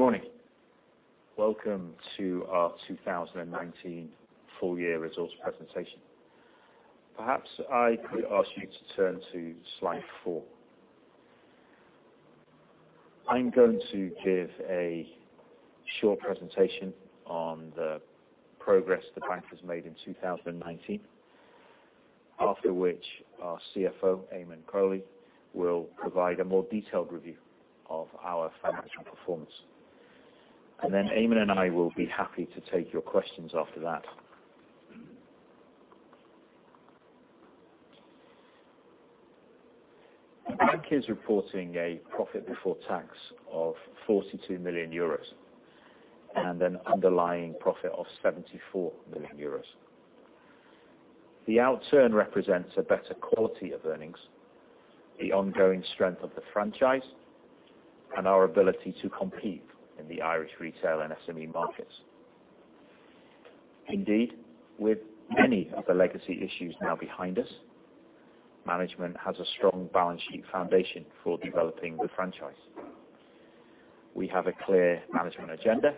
Good morning. Welcome to our 2019 full year results presentation. Perhaps I could ask you to turn to slide four. I'm going to give a short presentation on the progress the bank has made in 2019, after which our CFO, Eamonn Crowley, will provide a more detailed review of our financial performance. Eamonn and I will be happy to take your questions after that. The bank is reporting a profit before tax of 42 million euros and an underlying profit of 74 million euros. The outturn represents a better quality of earnings, the ongoing strength of the franchise, and our ability to compete in the Irish retail and SME markets. Indeed, with many of the legacy issues now behind us, management has a strong balance sheet foundation for developing the franchise. We have a clear management agenda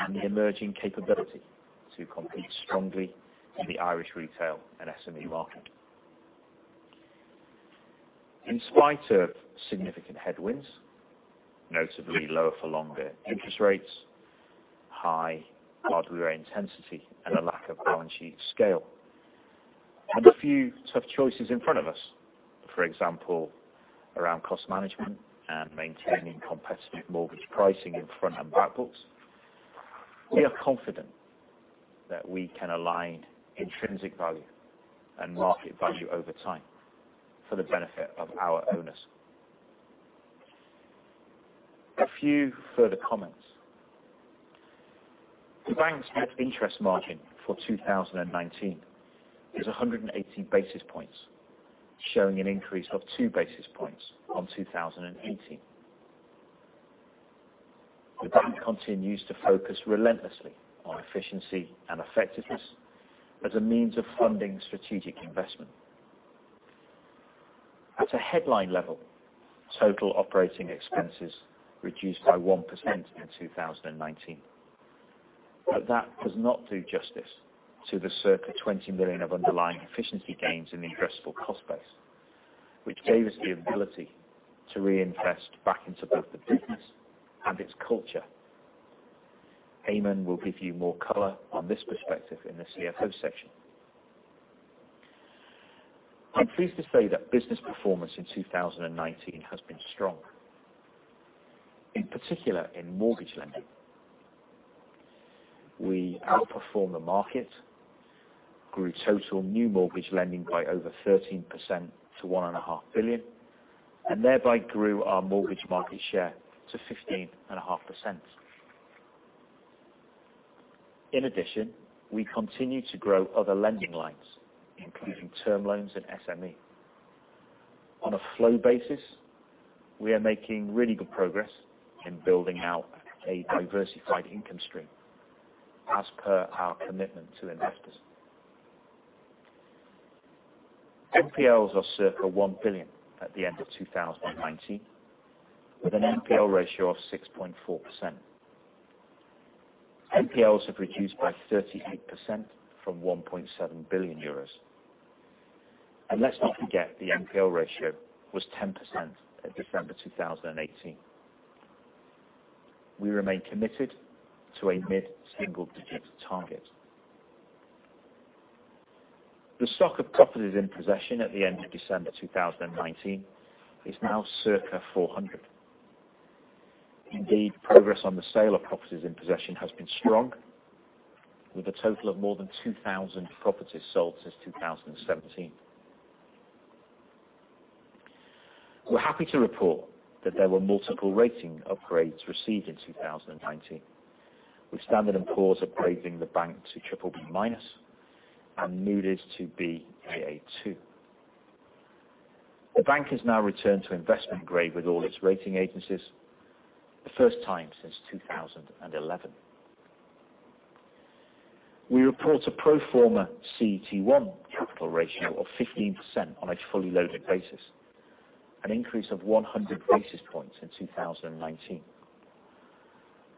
and the emerging capability to compete strongly in the Irish retail and SME market. In spite of significant headwinds, notably lower for longer interest rates, high regulatory intensity, and a lack of balance sheet scale, and a few tough choices in front of us, for example, around cost management and maintaining competitive mortgage pricing in front and back books, we are confident that we can align intrinsic value and market value over time for the benefit of our owners. A few further comments. The bank's net interest margin for 2019 is 180 basis points, showing an increase of two basis points on 2018. The bank continues to focus relentlessly on efficiency and effectiveness as a means of funding strategic investment. At a headline level, total operating expenses reduced by 1% in 2019. That does not do justice to the circa 20 million of underlying efficiency gains in the addressable cost base, which gave us the ability to reinvest back into both the business and its culture. Eamonn will give you more color on this perspective in the CFO section. I'm pleased to say that business performance in 2019 has been strong. In particular in mortgage lending. We outperformed the market, grew total new mortgage lending by over 13% to 1.5 billion, and thereby grew our mortgage market share to 15.5%. In addition, we continue to grow other lending lines, including term loans and SME. On a flow basis, we are making really good progress in building out a diversified income stream as per our commitment to investors. NPLs are circa 1 billion at the end of 2019, with an NPL ratio of 6.4%. NPLs have reduced by 38% from 1.7 billion euros. Let's not forget, the NPL ratio was 10% in December 2018. We remain committed to a mid-single digit target. The stock of properties in possession at the end of December 2019 is now circa 400. Indeed, progress on the sale of properties in possession has been strong, with a total of more than 2,000 properties sold since 2017. We're happy to report that there were multiple rating upgrades received in 2019, with Standard & Poor's upgrading the bank to BBB- and Moody's to Baa2. The bank has now returned to investment grade with all its rating agencies, the first time since 2011. We report a pro forma CET1 capital ratio of 15% on a fully loaded basis, an increase of 100 basis points in 2019.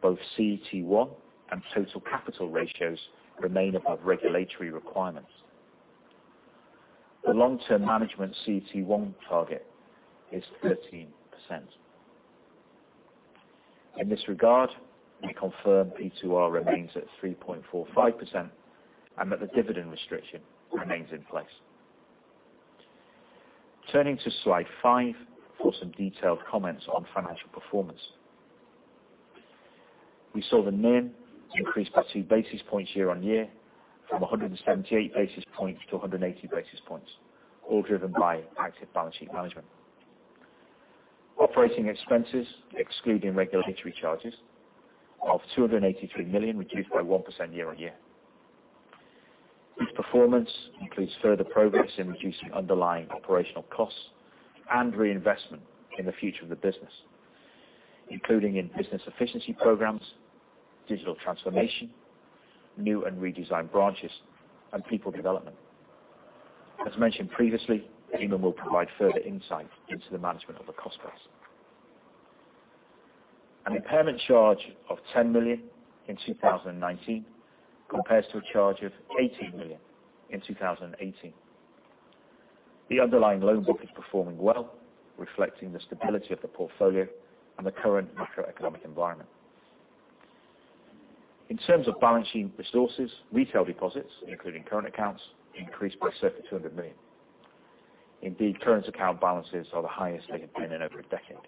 Both CET1 and total capital ratios remain above regulatory requirements. The long-term management CET1 target is 13%. In this regard, we confirm P2R remains at 3.45% and that the dividend restriction remains in place. Turning to slide five for some detailed comments on financial performance. We saw the NIM increase by two basis points year-on-year from 178 basis points to 180 basis points, all driven by active balance sheet management. Operating expenses, excluding regulatory charges, of 283 million reduced by 1% year-on-year. This performance includes further progress in reducing underlying operational costs and reinvestment in the future of the business, including in business efficiency programs, digital transformation, new and redesigned branches, and people development. As mentioned previously, Eamonn will provide further insight into the management of the cost base. An impairment charge of 10 million in 2019 compares to a charge of 18 million in 2018. The underlying loan book is performing well, reflecting the stability of the portfolio and the current macroeconomic environment. In terms of balance sheet resources, retail deposits, including current accounts, increased by circa 200 million. Indeed, current account balances are the highest they have been in over a decade.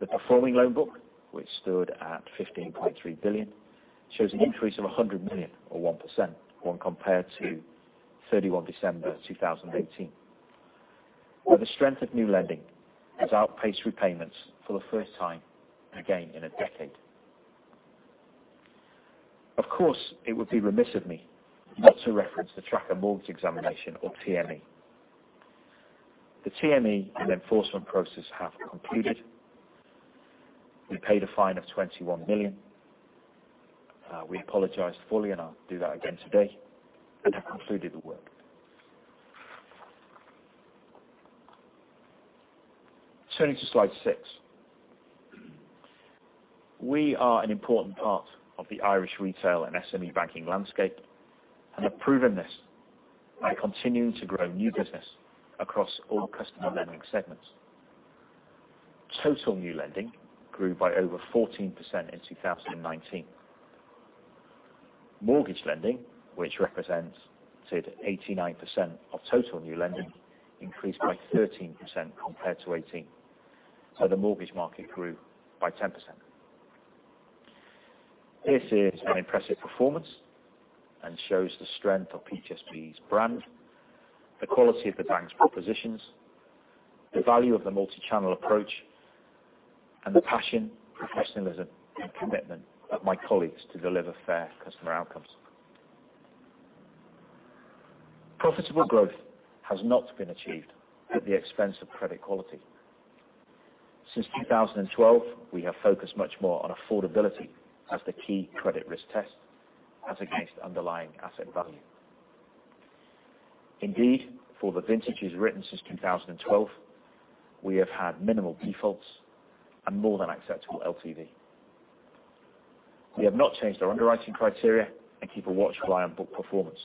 The performing loan book, which stood at 15.3 billion, shows an increase of 100 million, or 1%, when compared to 31 December 2018. The strength of new lending has outpaced repayments for the first time, again, in a decade. Of course, it would be remiss of me not to reference the Tracker Mortgage Examination or TME. The TME and enforcement process have concluded. We paid a fine of 21 million. We apologized fully, and I'll do that again today, and have concluded the work. Turning to slide six. We are an important part of the Irish retail and SME banking landscape, and have proven this by continuing to grow new business across all customer lending segments. Total new lending grew by over 14% in 2019. Mortgage lending, which represents 89% of total new lending, increased by 13% compared to 2018. The mortgage market grew by 10%. This is an impressive performance and shows the strength of PTSB's brand, the quality of the bank's propositions, the value of the multi-channel approach, and the passion, professionalism, and commitment of my colleagues to deliver fair customer outcomes. Profitable growth has not been achieved at the expense of credit quality. Since 2012, we have focused much more on affordability as the key credit risk test as against underlying asset value. Indeed, for the vintages written since 2012, we have had minimal defaults and more than acceptable LTV. We have not changed our underwriting criteria and keep a watchful eye on book performance.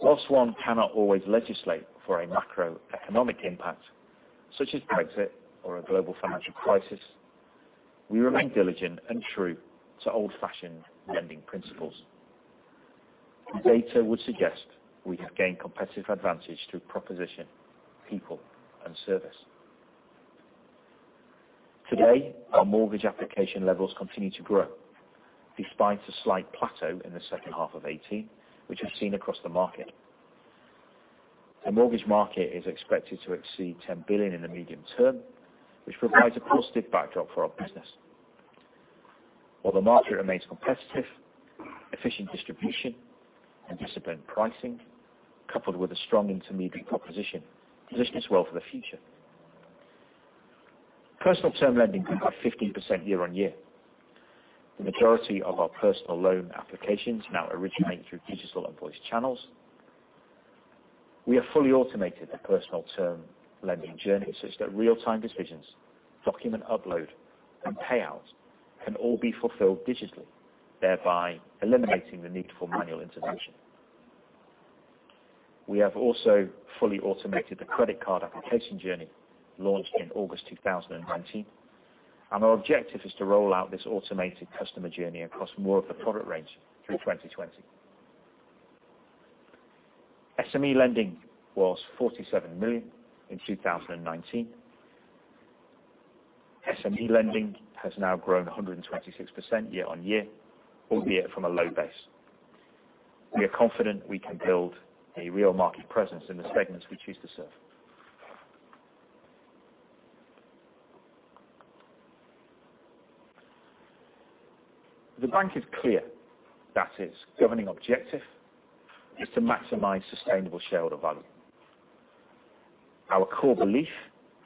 Whilst one cannot always legislate for a macroeconomic impact, such as Brexit or a global financial crisis, we remain diligent and true to old-fashioned lending principles. The data would suggest we have gained competitive advantage through proposition, people, and service. Today, our mortgage application levels continue to grow, despite a slight plateau in the second half of 2018, which was seen across the market. The mortgage market is expected to exceed 10 billion in the medium term, which provides a positive backdrop for our business. While the market remains competitive, efficient distribution and disciplined pricing, coupled with a strong intermediary proposition, positions well for the future. Personal term lending grew by 15% year-on-year. The majority of our personal loan applications now originate through digital and voice channels. We have fully automated the personal term lending journey, such that real-time decisions, document upload, and payouts can all be fulfilled digitally, thereby eliminating the need for manual intervention. We have also fully automated the credit card application journey launched in August 2019, and our objective is to roll out this automated customer journey across more of the product range through 2020. SME lending was 47 million in 2019. SME lending has now grown 126% year-on-year, albeit from a low base. We are confident we can build a real market presence in the segments we choose to serve. The bank is clear that its governing objective is to maximize sustainable shareholder value. Our core belief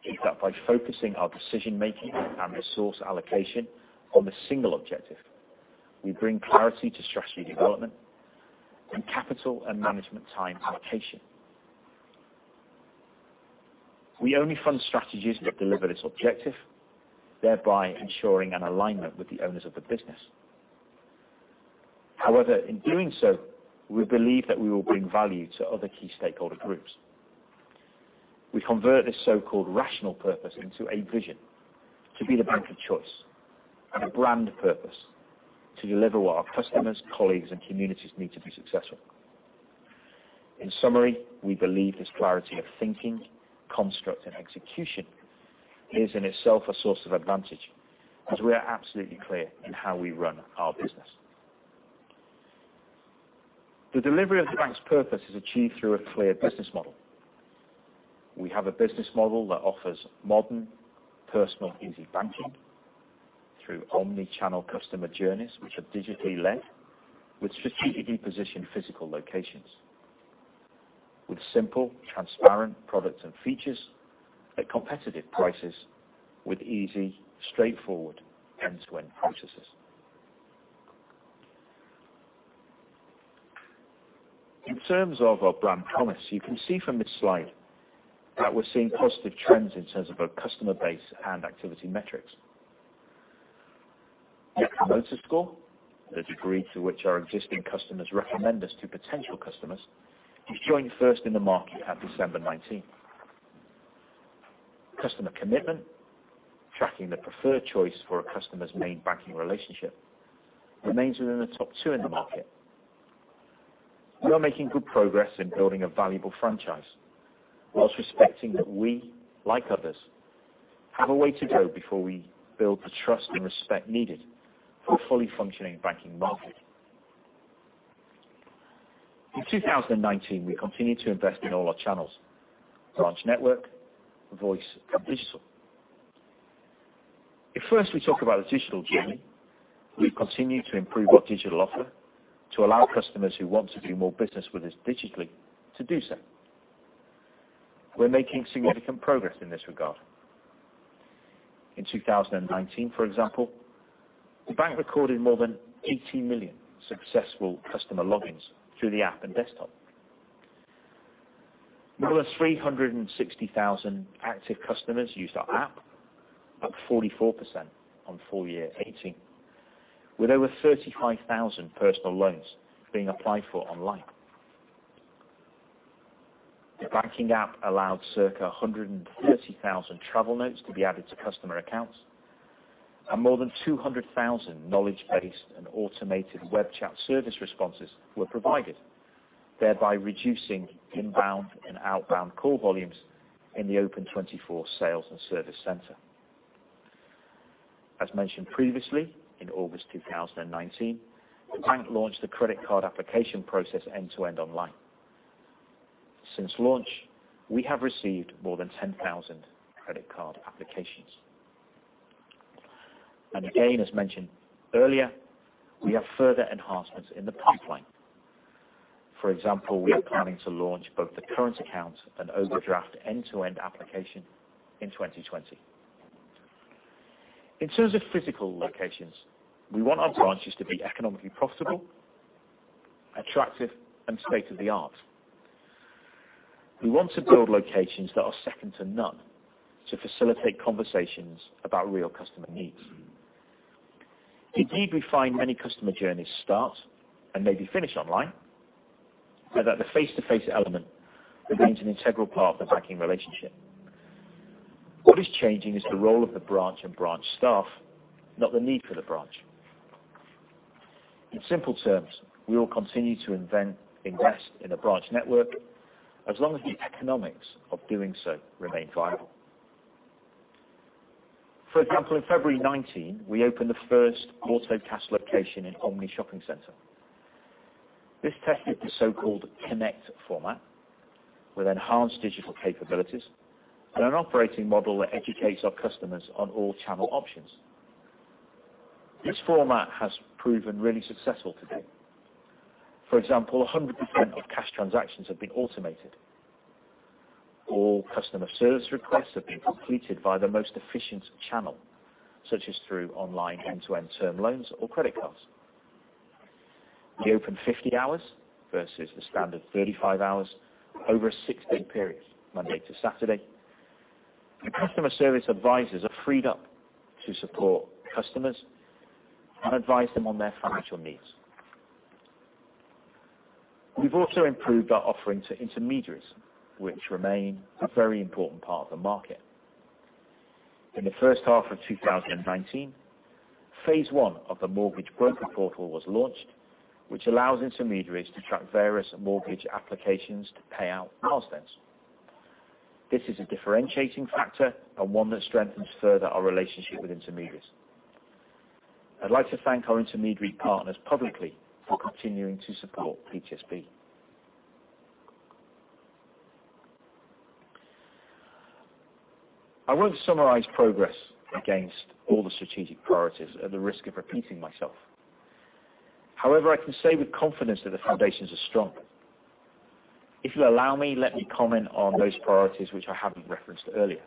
is that by focusing our decision making and resource allocation on this single objective, we bring clarity to strategy development, and capital and management time allocation. We only fund strategies that deliver this objective, thereby ensuring an alignment with the owners of the business. However, in doing so, we believe that we will bring value to other key stakeholder groups. We convert this so-called rational purpose into a vision to be the bank of choice, and a brand purpose to deliver what our customers, colleagues, and communities need to be successful. In summary, we believe this clarity of thinking, construct, and execution is in itself a source of advantage, as we are absolutely clear in how we run our business. The delivery of the bank's purpose is achieved through a clear business model. We have a business model that offers modern, personal, easy banking through omni-channel customer journeys which are digitally led, with strategically positioned physical locations, with simple, transparent products and features at competitive prices with easy, straightforward end-to-end purchases. In terms of our brand promise, you can see from this slide that we're seeing positive trends in terms of our customer base and activity metrics. Net Promoter Score, the degree to which our existing customers recommend us to potential customers, is joint first in the market at December 2019. Customer commitment, tracking the preferred choice for a customer's main banking relationship, remains within the top two in the market. We are making good progress in building a valuable franchise whilst respecting that we, like others, have a way to go before we build the trust and respect needed for a fully functioning banking market. In 2019, we continued to invest in all our channels, branch network, voice, and digital. If first we talk about the digital journey, we've continued to improve our digital offer to allow customers who want to do more business with us digitally to do so. We're making significant progress in this regard. In 2019, for example, the bank recorded more than 18 million successful customer logins through the app and desktop. More than 360,000 active customers used our app, up 44% on full year 2018, with over 35,000 personal loans being applied for online. The banking app allowed circa 130,000 travel notes to be added to customer accounts, and more than 200,000 knowledge-based and automated web chat service responses were provided, thereby reducing inbound and outbound call volumes in the Open24 sales and service center. As mentioned previously, in August 2019, the bank launched the credit card application process end-to-end online. Since launch, we have received more than 10,000 credit card applications. Again, as mentioned earlier, we have further enhancements in the pipeline. For example, we are planning to launch both the current account and overdraft end-to-end application in 2020. In terms of physical locations, we want our branches to be economically profitable, attractive, and state-of-the-art. We want to build locations that are second to none to facilitate conversations about real customer needs. Indeed, we find many customer journeys start and maybe finish online, but that the face-to-face element remains an integral part of the banking relationship. What is changing is the role of the branch and branch staff, not the need for the branch. In simple terms, we will continue to invest in a branch network as long as the economics of doing so remain viable. For example, in February 2019, we opened the first auto cash location in Omni Shopping Centre. This tested the so-called Connect format with enhanced digital capabilities and an operating model that educates our customers on all channel options. This format has proven really successful to date. For example, 100% of cash transactions have been automated. All customer service requests have been completed via the most efficient channel, such as through online end-to-end term loans or credit cards. We open 50 hours versus the standard 35 hours over a six-day period, Monday to Saturday. Our customer service advisors are freed up to support customers and advise them on their financial needs. We've also improved our offering to intermediaries, which remain a very important part of the market. In the first half of 2019, Phase 1 of the mortgage broker portal was launched, which allows intermediaries to track various mortgage applications to payout milestones. This is a differentiating factor and one that strengthens further our relationship with intermediaries. I'd like to thank our intermediary partners publicly for continuing to support PTSB. I won't summarize progress against all the strategic priorities at the risk of repeating myself. However, I can say with confidence that the foundations are strong. If you allow me, let me comment on those priorities which I haven't referenced earlier.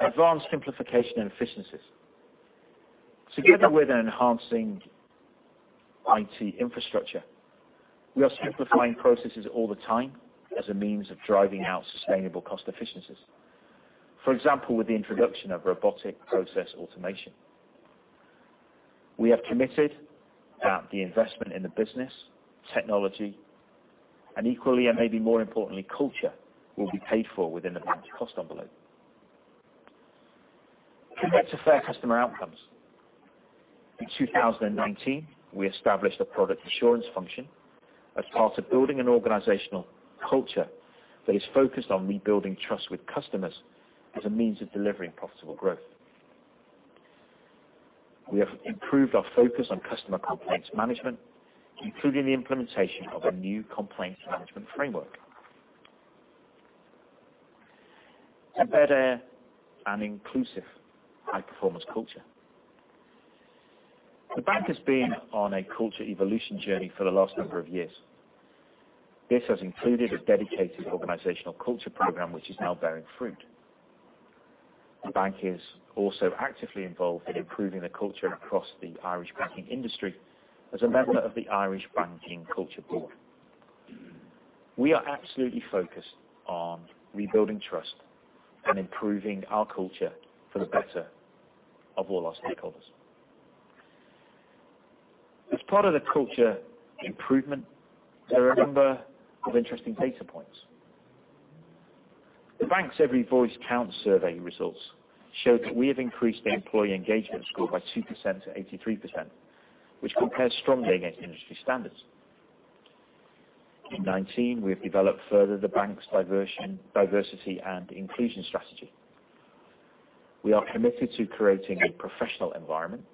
Advanced simplification and efficiencies. Together with enhancing IT infrastructure, we are simplifying processes all the time as a means of driving out sustainable cost efficiencies. For example, with the introduction of Robotic Process Automation. We have committed that the investment in the business, technology, and equally and maybe more importantly, culture, will be paid for within the bank's cost envelope. Commit to fair customer outcomes. In 2019, we established a product assurance function as part of building an organizational culture that is focused on rebuilding trust with customers as a means of delivering profitable growth. We have improved our focus on customer complaints management, including the implementation of a new complaints management framework. Embed an inclusive high-performance culture. The bank has been on a culture evolution journey for the last number of years. This has included a dedicated organizational culture program which is now bearing fruit. The bank is also actively involved in improving the culture across the Irish banking industry, as a member of the Irish Banking Culture Board. We are absolutely focused on rebuilding trust and improving our culture for the better of all our stakeholders. As part of the culture improvement, there are a number of interesting data points. The bank's Every Voice Counts survey results show that we have increased the employee engagement score by 2% to 83%, which compares strongly against industry standards. In 2019, we have developed further the bank's diversity and inclusion strategy. We are committed to creating a professional environment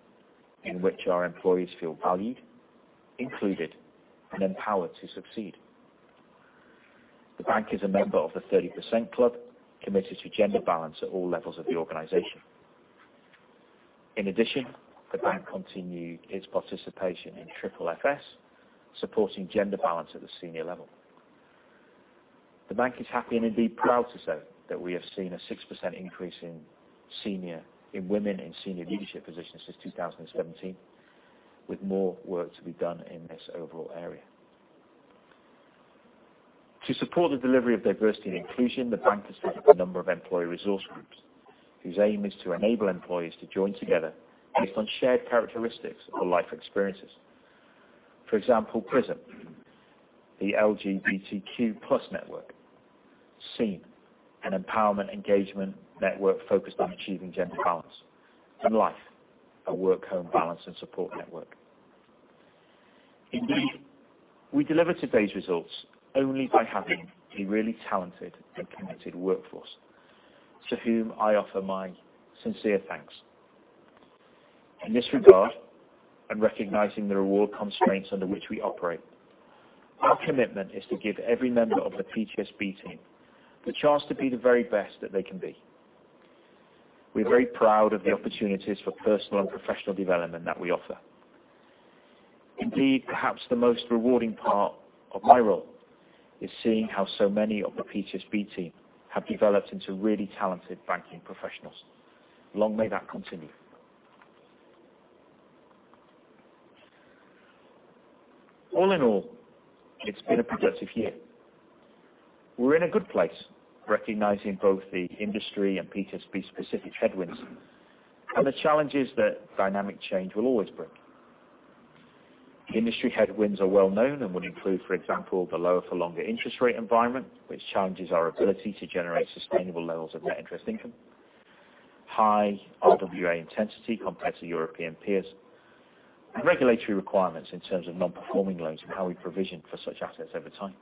in which our employees feel valued, included, and empowered to succeed. The bank is a member of the 30% Club, committed to gender balance at all levels of the organization. In addition, the bank continued its participation in Ireland's Women in Finance Charter, supporting gender balance at the senior level. The bank is happy, and indeed proud to say, that we have seen a 6% increase in women in senior leadership positions since 2017, with more work to be done in this overall area. To support the delivery of diversity and inclusion, the bank has looked at a number of employee resource groups, whose aim is to enable employees to join together based on shared characteristics or life experiences. For example, Prism, the LGBTQ+ network. Scene, an empowerment engagement network focused on achieving gender balance. Life, a work-home balance and support network. Indeed, we deliver today's results only by having a really talented and committed workforce, to whom I offer my sincere thanks. In this regard, and recognizing the reward constraints under which we operate, our commitment is to give every member of the PTSB team the chance to be the very best that they can be. We're very proud of the opportunities for personal and professional development that we offer. Indeed, perhaps the most rewarding part of my role is seeing how so many of the PTSB team have developed into really talented banking professionals. Long may that continue. All in all, it's been a productive year. We're in a good place recognizing both the industry and PTSB's specific headwinds, and the challenges that dynamic change will always bring. Industry headwinds are well-known and would include, for example, the lower for longer interest rate environment, which challenges our ability to generate sustainable levels of net interest income. High RWA intensity compared to European peers, and regulatory requirements in terms of non-performing loans and how we provision for such assets over time.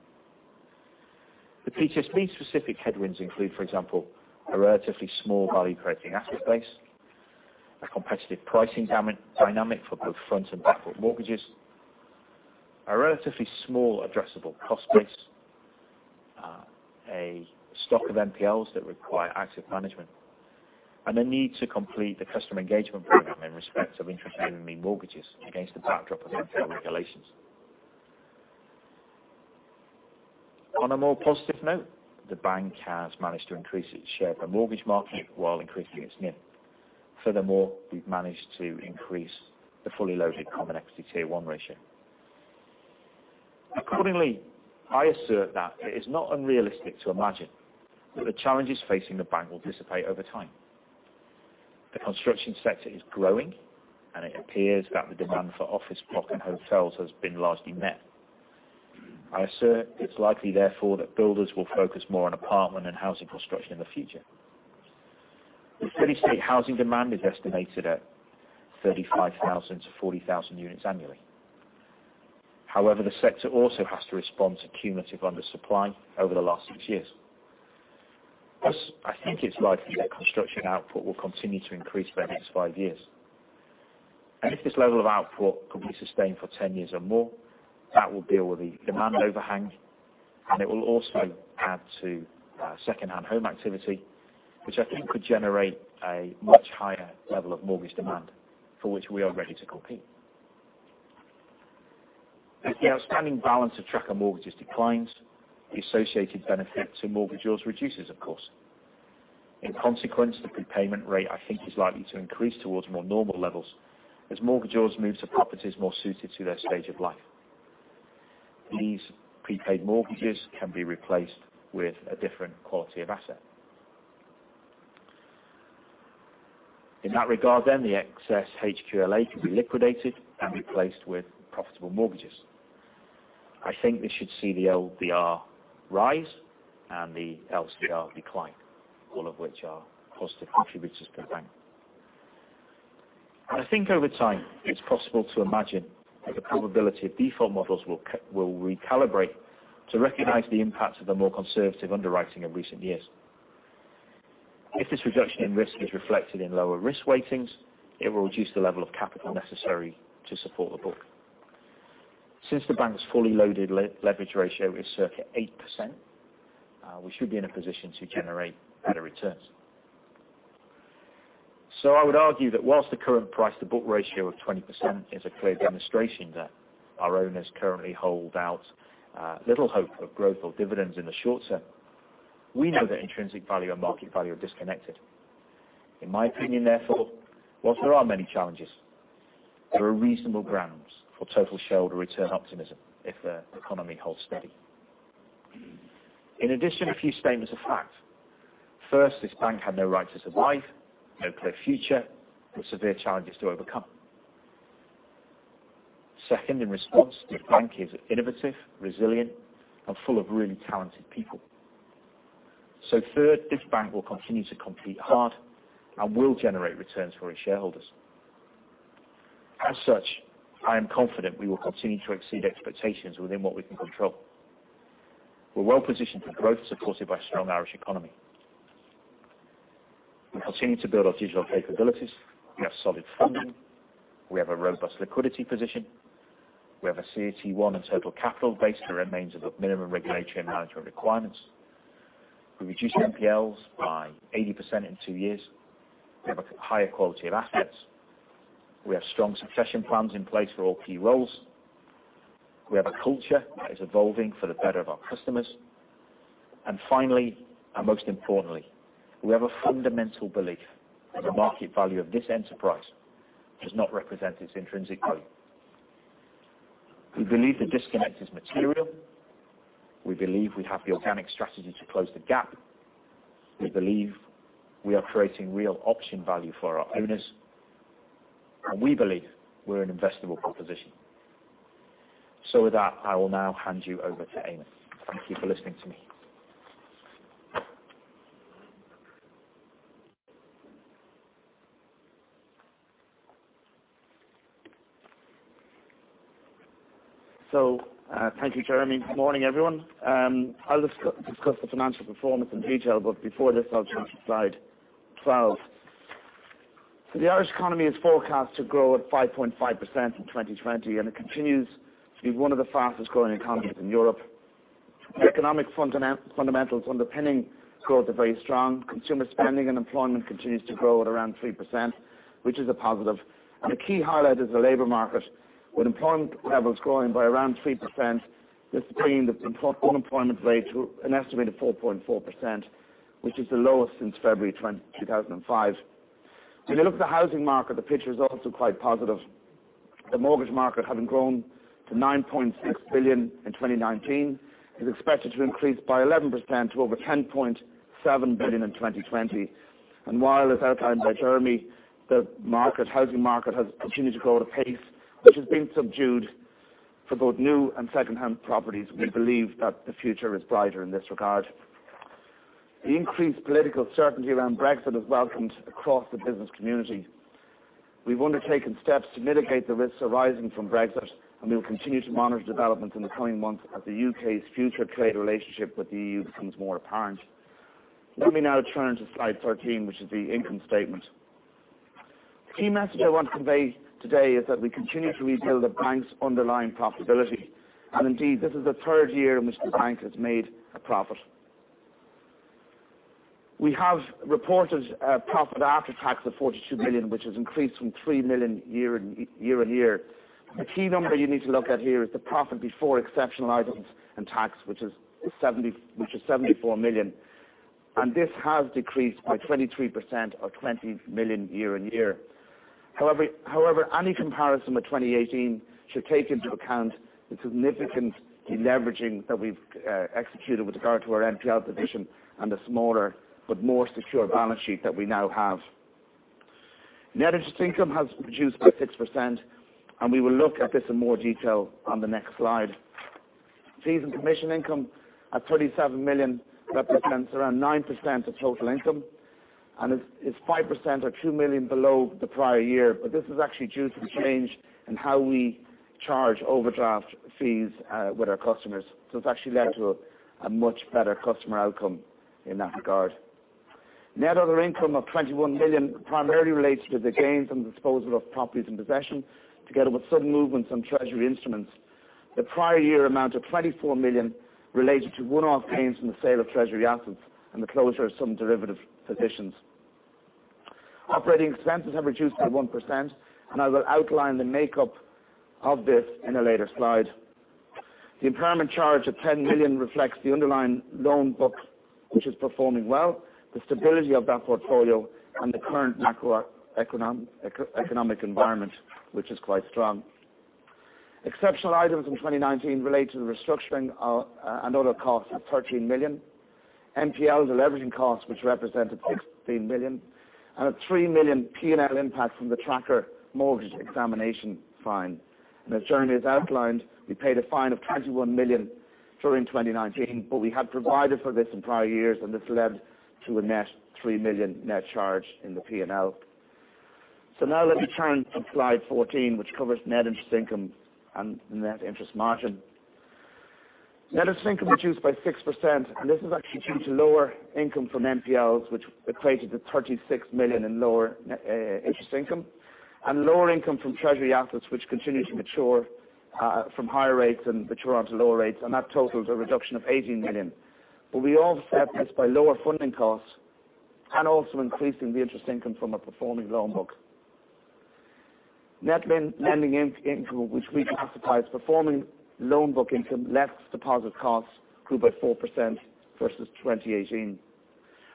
The PTSB specific headwinds include, for example, a relatively small value-creating asset base, a competitive pricing dynamic for both front and back-book mortgages, a relatively small addressable cost base, a stock of NPLs that require active management, and a need to complete the customer engagement program in respect of interest-only mortgages against the backdrop of anti-eviction regulations. On a more positive note, the bank has managed to increase its share of the mortgage market while increasing its NIM. Furthermore, we've managed to increase the fully loaded Common Equity Tier 1 ratio. Accordingly, I assert that it is not unrealistic to imagine that the challenges facing the bank will dissipate over time. The construction sector is growing, and it appears that the demand for office block and hotels has been largely met. I assert it's likely, therefore, that builders will focus more on apartment and housing construction in the future. The steady state housing demand is estimated at 35,000-40,000 units annually. However, the sector also has to respond to cumulative undersupply over the last six years. Thus, I think it's likely that construction output will continue to increase over the next five years. If this level of output can be sustained for 10 years or more, that will deal with the demand overhang, and it will also add to secondhand home activity, which I think could generate a much higher level of mortgage demand, for which we are ready to compete. As the outstanding balance of tracker mortgages declines, the associated benefit to mortgagees reduces, of course. In consequence, the prepayment rate, I think, is likely to increase towards more normal levels as mortgagees move to properties more suited to their stage of life. These prepaid mortgages can be replaced with a different quality of asset. In that regard then, the excess HQLA can be liquidated and replaced with profitable mortgages. I think this should see the LDR rise and the LCR decline, all of which are positive contributors to the bank. I think over time, it's possible to imagine that the probability of default models will recalibrate to recognize the impact of the more conservative underwriting of recent years. If this reduction in risk is reflected in lower risk weightings, it will reduce the level of capital necessary to support the book. Since the bank's fully loaded leverage ratio is circa 8%, we should be in a position to generate better returns. I would argue that whilst the current price to book ratio of 20% is a clear demonstration that our owners currently hold out little hope of growth or dividends in the short term, we know that intrinsic value and market value are disconnected. In my opinion, therefore, whilst there are many challenges, there are reasonable grounds for total shareholder return optimism if the economy holds steady. In addition, a few statements of fact. First, this bank had no right to survive, no clear future, with severe challenges to overcome. Second, in response, this bank is innovative, resilient, and full of really talented people. Third, this bank will continue to compete hard and will generate returns for its shareholders. As such, I am confident we will continue to exceed expectations within what we can control. We're well-positioned for growth, supported by a strong Irish economy. We continue to build our digital capabilities. We have solid funding. We have a robust liquidity position. We have a CET1 and total capital base that remains above minimum regulatory and management requirements. We reduced NPLs by 80% in two years. We have a higher quality of assets. We have strong succession plans in place for all key roles. We have a culture that is evolving for the better of our customers. Finally, and most importantly, we have a fundamental belief that the market value of this enterprise does not represent its intrinsic value. We believe the disconnect is material. We believe we have the organic strategy to close the gap. We believe we are creating real option value for our owners, and we believe we're an investable proposition. With that, I will now hand you over to Eamonn. Thank you for listening to me. Thank you, Jeremy. Good morning, everyone. I'll discuss the financial performance in detail, but before this, I'll turn to slide 12. The Irish economy is forecast to grow at 5.5% in 2020, and it continues to be one of the fastest-growing economies in Europe. The economic fundamentals underpinning growth are very strong. Consumer spending and employment continues to grow at around 3%, which is a positive. A key highlight is the labor market, with employment levels growing by around 3%, thus bringing the unemployment rate to an estimated 4.4%, which is the lowest since February 2005. If you look at the housing market, the picture is also quite positive. The mortgage market, having grown to 9.6 billion in 2019, is expected to increase by 11% to over 10.7 billion in 2020. While, as outlined by Jeremy, the housing market has continued to grow at a pace which has been subdued for both new and secondhand properties, we believe that the future is brighter in this regard. The increased political certainty around Brexit is welcomed across the business community. We've undertaken steps to mitigate the risks arising from Brexit, and we will continue to monitor developments in the coming months as the U.K.'s future trade relationship with the EU becomes more apparent. Let me now turn to slide 13, which is the income statement. The key message I want to convey today is that we continue to rebuild the bank's underlying profitability, and indeed, this is the third year in which the bank has made a profit. We have reported a profit after tax of 42 million, which has increased from 3 million year-over-year. The key number you need to look at here is the profit before exceptional items and tax, which is 74 million. This has decreased by 23% or 20 million year-on-year. Any comparison with 2018 should take into account the significant deleveraging that we've executed with regard to our NPL division and the smaller but more secure balance sheet that we now have. Net interest income has reduced by 6%. We will look at this in more detail on the next slide. Fees and commission income at 37 million represents around 9% of total income. It's 5% or 2 million below the prior year. This is actually due to the change in how we charge overdraft fees with our customers. It's actually led to a much better customer outcome in that regard. Net other income of 21 million primarily relates to the gains on the disposal of properties in possession, together with sudden movements on treasury instruments. The prior year amount of 24 million related to one-off gains from the sale of treasury assets and the closure of some derivative positions. Operating expenses have reduced by 1%, I will outline the makeup of this in a later slide. The impairment charge of 10 million reflects the underlying loan book, which is performing well, the stability of that portfolio, and the current macro economic environment, which is quite strong. Exceptional items in 2019 relate to the restructuring and other costs of 13 million, NPL deleveraging costs which represented 16 million, and a 3 million P&L impact from the tracker mortgage examination fine. As Jeremy has outlined, we paid a fine of 21 million during 2019, but we had provided for this in prior years, and this led to a net 3 million net charge in the P&L. Now let me turn to slide 14, which covers Net Interest Income and Net Interest Margin. Net Interest Income reduced by 6%, and this is actually due to lower income from NPLs, which equated to 36 million in lower interest income and lower income from treasury assets, which continue to mature from higher rates and mature onto lower rates. That totals a reduction of 18 million. We offset this by lower funding costs and also increasing the interest income from a performing loan book. Net lending income, which we classify as performing loan book income, less deposit costs, grew by 4% versus 2018.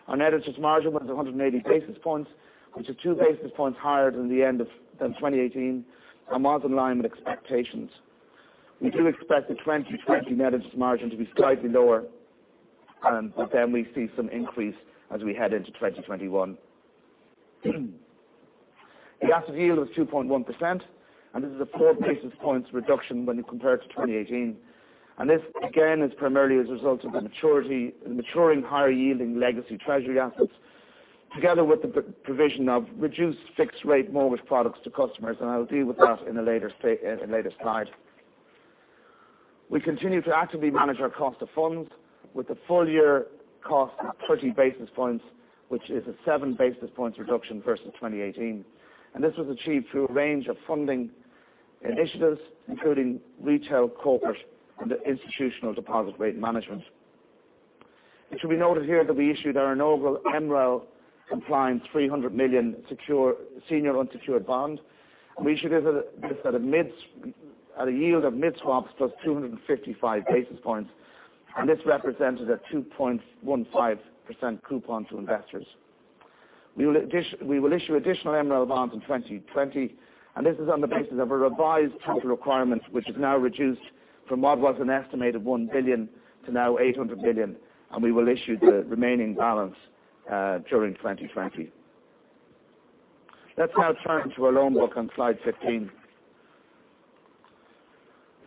Our net interest margin was 180 basis points, which is two basis points higher than the end of 2018 and was in line with expectations. We do expect the 2020 net interest margin to be slightly lower. We see some increase as we head into 2021. The asset yield was 2.1%. This is a four basis points reduction when you compare it to 2018. This, again, is primarily as a result of the maturing higher-yielding legacy treasury assets, together with the provision of reduced fixed rate mortgage products to customers, and I'll deal with that in a later slide. We continue to actively manage our cost of funds with the full year cost of 30 basis points, which is a seven basis points reduction versus 2018. This was achieved through a range of funding initiatives, including retail, corporate, and institutional deposit rate management. It should be noted here that we issued our inaugural MREL compliant 300 million senior unsecured bond. We issued this at a yield of mid-swaps plus 255 basis points, and this represented a 2.15% coupon to investors. We will issue additional MREL bonds in 2020, and this is on the basis of a revised capital requirement, which is now reduced from what was an estimate of 1 billion to now 800 million, and we will issue the remaining balance during 2020. Let's now turn to our loan book on slide 15.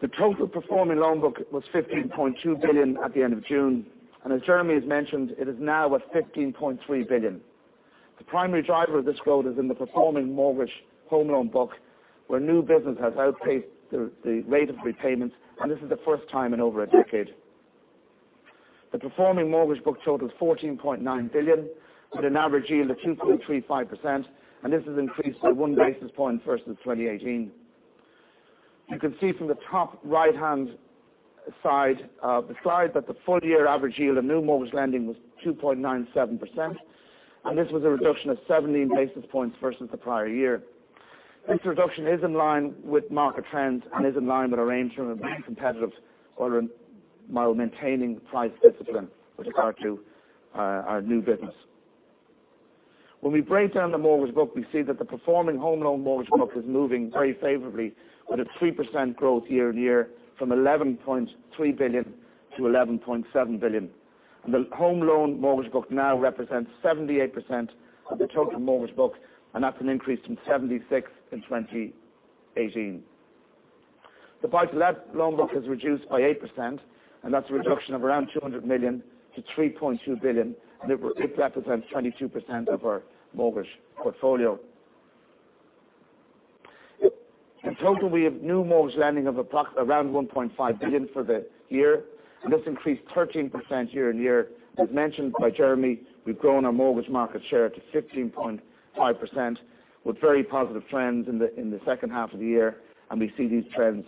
The total performing loan book was 15.2 billion at the end of June, and as Jeremy has mentioned, it is now at 15.3 billion. The primary driver of this growth is in the performing mortgage home loan book, where new business has outpaced the rate of repayments, and this is the first time in over a decade. The performing mortgage book totals 14.9 billion with an average yield of 2.35%. This has increased by one basis point versus 2018. You can see from the top right-hand side of the slide that the full-year average yield of new mortgage lending was 2.97%. This was a reduction of 17 basis points versus the prior year. This reduction is in line with market trends and is in line with our aim to remain competitive while maintaining price discipline with regard to our new business. When we break down the mortgage book, we see that the performing home loan mortgage book is moving very favorably with a 3% growth year-on-year from 11.3 billion to 11.7 billion. The home loan mortgage book now represents 78% of the total mortgage book, and that's an increase from 76% in 2018. The buy-to-let loan book has reduced by 8%, and that's a reduction of around 200 million to 3.2 billion, and it represents 22% of our mortgage portfolio. In total, we have new mortgage lending of around 1.5 billion for the year, and this increased 13% year-on-year. As mentioned by Jeremy, we've grown our mortgage market share to 15.5% with very positive trends in the second half of the year, and we see these trends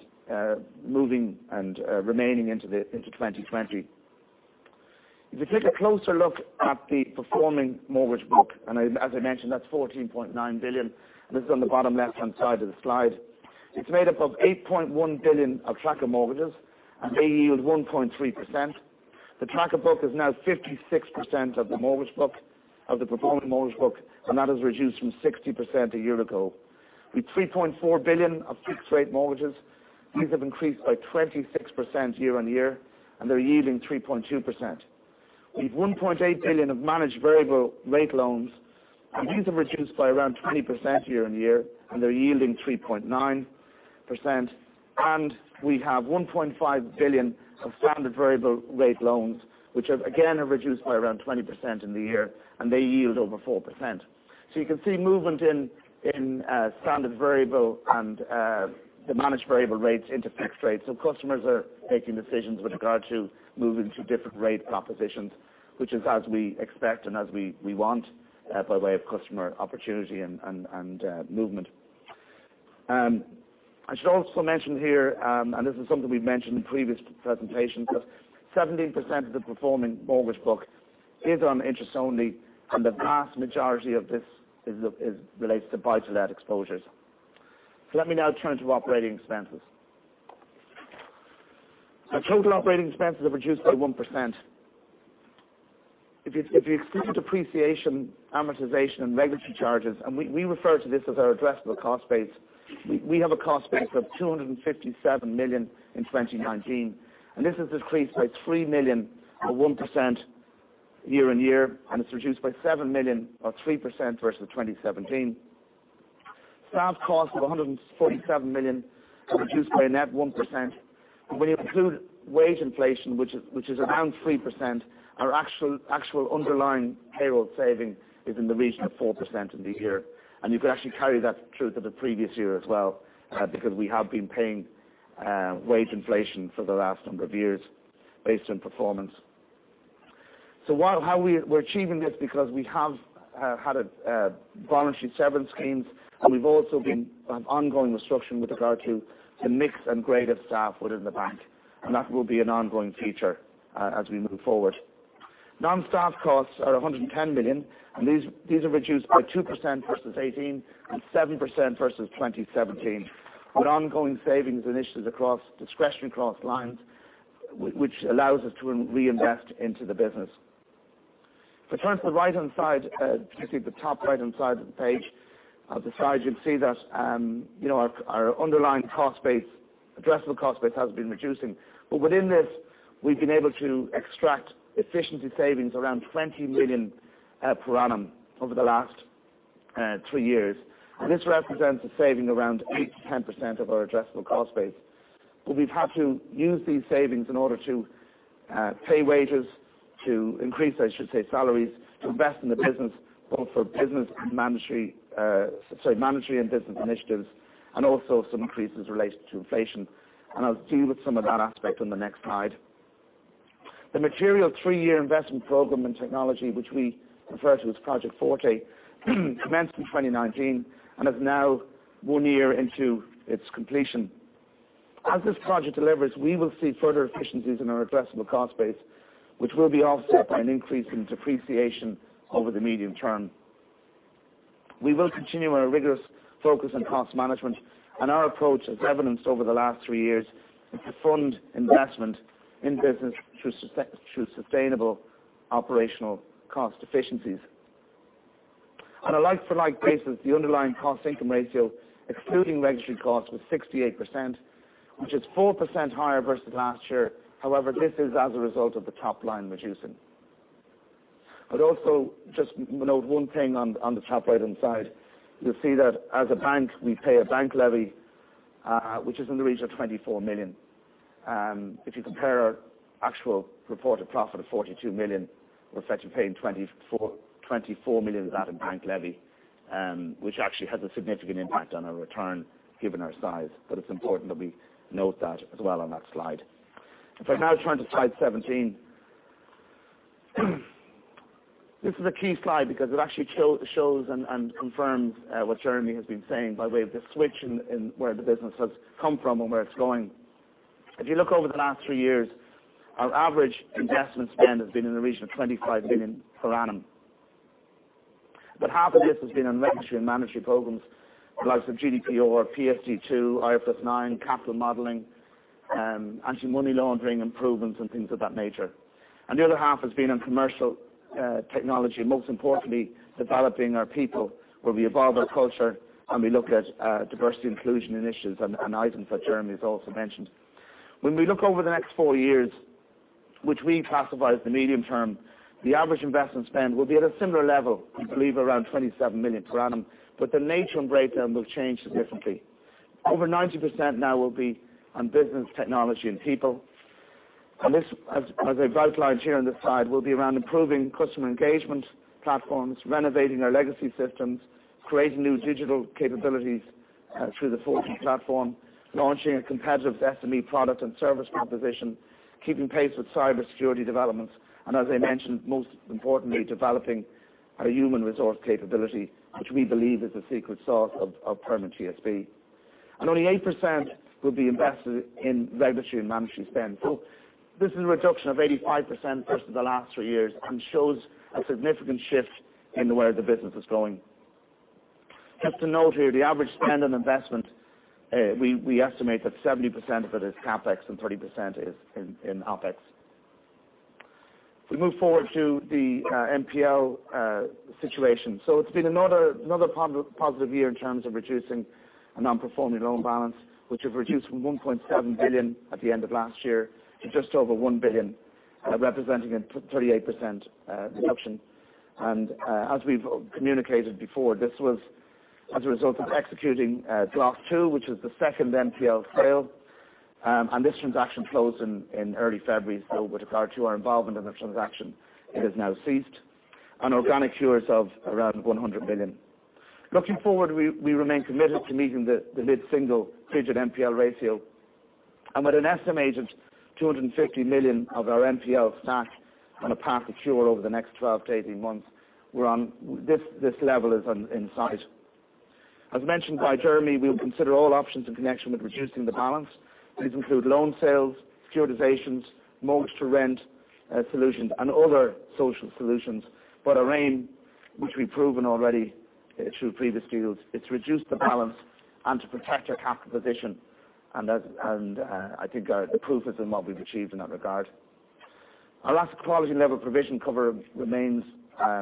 moving and remaining into 2020. If you take a closer look at the performing mortgage book, and as I mentioned, that's 14.9 billion, and this is on the bottom left-hand side of the slide. It's made up of 8.1 billion of tracker mortgages, and they yield 1.3%. The tracker book is now 56% of the mortgage book, of the performing mortgage book, and that has reduced from 60% a year ago. With 3.4 billion of fixed-rate mortgages, these have increased by 26% year-on-year, and they're yielding 3.2%. We have 1.8 billion of managed variable rate loans, and these have reduced by around 20% year-on-year, and they're yielding 3.9%. We have 1.5 billion of standard variable rate loans, which again, have reduced by around 20% in the year, and they yield over 4%. You can see movement in standard variable and the managed variable rates into fixed rates. Customers are making decisions with regard to moving to different rate propositions, which is as we expect and as we want by way of customer opportunity and movement. I should also mention here, and this is something we've mentioned in previous presentations, that 17% of the performing mortgage book is on interest-only, and the vast majority of this relates to buy-to-let exposures. Let me now turn to operating expenses. Our total operating expenses have reduced by 1%. If you exclude depreciation, amortization, and regulatory charges, and we refer to this as our addressable cost base, we have a cost base of 257 million in 2019, and this has decreased by 3 million or 1% year-on-year, and it's reduced by 7 million or 3% versus 2017. Staff costs of 147 million have reduced by a net 1%. When you include wage inflation, which is around 3%, our actual underlying payroll saving is in the region of 4% in the year. You could actually carry that through to the previous year as well because we have been paying wage inflation for the last number of years based on performance. How we're achieving this, because we have had voluntary severance schemes, and we've also been ongoing restructuring with regard to the mix and grade of staff within the bank, and that will be an ongoing feature as we move forward. Non-staff costs are 110 million, and these have reduced by 2% versus 2018 and 7% versus 2017, with ongoing savings initiatives across discretionary cost lines, which allows us to reinvest into the business. If I turn to the right-hand side, particularly the top right-hand side of the page. As I said, you'll see that our underlying cost base, addressable cost base, has been reducing. Within this, we've been able to extract efficiency savings around 20 million per annum over the last three years. This represents a saving around 8%-10% of our addressable cost base. We've had to use these savings in order to pay wages, to increase, I should say, salaries, to invest in the business, both for mandatory and business initiatives, and also some increases related to inflation. I'll deal with some of that aspect on the next slide. The material three-year investment program in technology, which we refer to as Project Forte, commenced in 2019 and is now one year into its completion. As this project delivers, we will see further efficiencies in our addressable cost base, which will be offset by an increase in depreciation over the medium term. We will continue our rigorous focus on cost management, and our approach, as evidenced over the last three years, is to fund investment in business through sustainable operational cost efficiencies. On a like-for-like basis, the underlying cost income ratio, excluding regulatory costs, was 68%, which is 4% higher versus last year. However, this is as a result of the top line reducing. I'd also just note one thing on the top right-hand side. You'll see that as a bank, we pay a bank levy, which is in the region of 24 million. If you compare our actual reported profit of 42 million, we're effectively paying 24 million of that in bank levy, which actually has a significant impact on our return given our size. It's important that we note that as well on that slide. If I now turn to slide 17. This is a key slide because it actually shows and confirms what Jeremy has been saying by way of the switch in where the business has come from and where it's going. If you look over the last three years, our average investment spend has been in the region of 25 million per annum. Half of this has been in regulatory and mandatory programs, the likes of GDPR, PSD2, IFRS 9, capital modeling, anti-money laundering improvements, and things of that nature. The other half has been on commercial technology, most importantly, developing our people, where we evolve our culture and we look at diversity inclusion initiatives and items that Jeremy has also mentioned. When we look over the next four years, which we classify as the medium term, the average investment spend will be at a similar level, we believe around 27 million per annum, but the nature and breakdown will change differently. Over 90% now will be on business technology and people. This, as I've outlined here on this slide, will be around improving customer engagement platforms, renovating our legacy systems, creating new digital capabilities through the Forte platform, launching a competitive SME product and service proposition, keeping pace with cybersecurity developments, and as I mentioned, most importantly, developing our human resource capability, which we believe is the secret sauce of Permanent TSB. Only 8% will be invested in regulatory and mandatory spend. This is a reduction of 85% versus the last three years and shows a significant shift in where the business is going. Just to note here, the average spend on investment, we estimate that 70% of it is CapEx and 30% is in OpEx. We move forward to the NPL situation. It's been another positive year in terms of reducing our non-performing loan balance, which we've reduced from 1.7 billion at the end of last year to just over 1 billion, representing a 38% reduction. As we've communicated before, this was as a result of executing Glas II, which is the second NPL sale. This transaction closed in early February. With regard to our involvement in the transaction, it has now ceased. Organic cures of around 100 million. Looking forward, we remain committed to meeting the mid-single digit NPL ratio. With an estimated 250 million of our NPL stack on a path to cure over the next 12-18 months, this level is in sight. As mentioned by Jeremy, we'll consider all options in connection with reducing the balance. These include loan sales, securitizations, mortgage to rent solutions, and other social solutions. Our aim, which we've proven already through previous deals, it's reduced the balance and to protect our capital position, and I think the proof is in what we've achieved in that regard. Our loss quality level provision cover remains at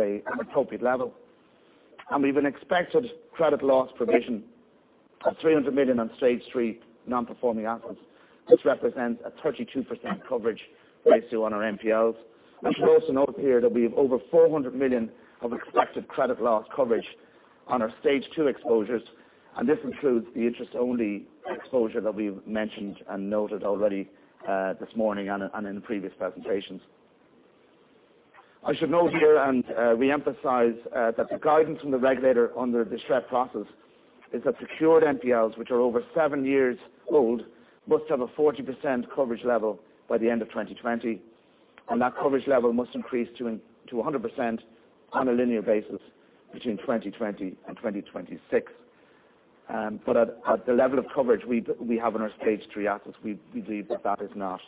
an appropriate level, and we've an expected credit loss provision of 300 million on Stage 3 non-performing assets. This represents a 32% coverage ratio on our NPLs. I should also note here that we have over 400 million of expected credit loss coverage on our Stage 2 exposures, and this includes the interest-only exposure that we've mentioned and noted already this morning and in previous presentations. I should note here, and reemphasize, that the guidance from the regulator under the SREP process is that secured NPLs, which are over seven years old, must have a 40% coverage level by the end of 2020, and that coverage level must increase to 100% on a linear basis between 2020 and 2026. At the level of coverage we have in our Stage 3 assets, we believe that that is not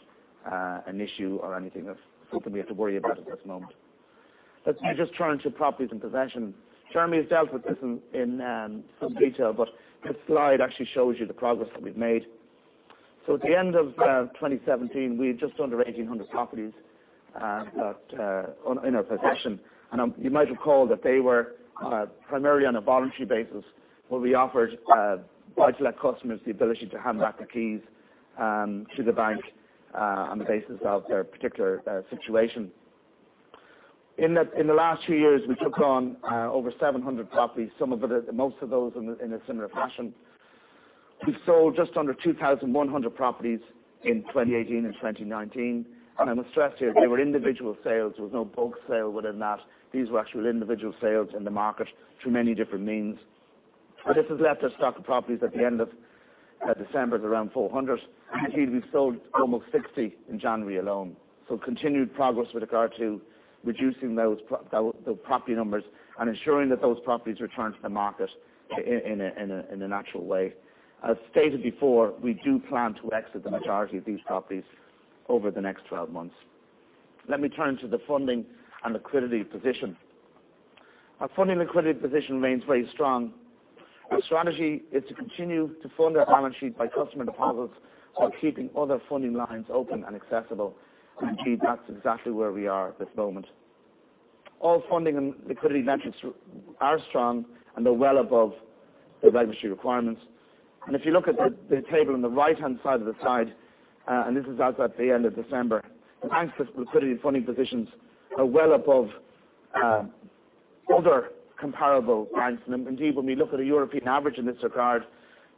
an issue or anything that's something we have to worry about at this moment. Let me just turn to properties and possession. Jeremy has dealt with this in some detail, this slide actually shows you the progress that we've made. At the end of 2017, we had just under 1,800 properties in our possession, you might recall that they were primarily on a voluntary basis, where we offered buy-to-let customers the ability to hand back the keys to the bank on the basis of their particular situation. In the last few years, we took on over 700 properties, most of those in a similar fashion. We've sold just under 2,100 properties in 2018 and 2019, I must stress here, they were individual sales. There was no bulk sale within that. These were actual individual sales in the market through many different means. This has left our stock of properties at the end of December at around 400. Indeed, we've sold almost 60 in January alone. Continued progress with regard to reducing the property numbers and ensuring that those properties return to the market in a natural way. As stated before, we do plan to exit the majority of these properties over the next 12 months. Let me turn to the funding and liquidity position. Our funding liquidity position remains very strong. Our strategy is to continue to fund our balance sheet by customer deposits while keeping other funding lines open and accessible. Indeed, that's exactly where we are at this moment. All funding and liquidity metrics are strong, and they're well above the regulatory requirements. If you look at the table on the right-hand side of the slide, and this is as at the end of December, the bank's liquidity and funding positions are well above other comparable banks. Indeed, when we look at a European average in this regard,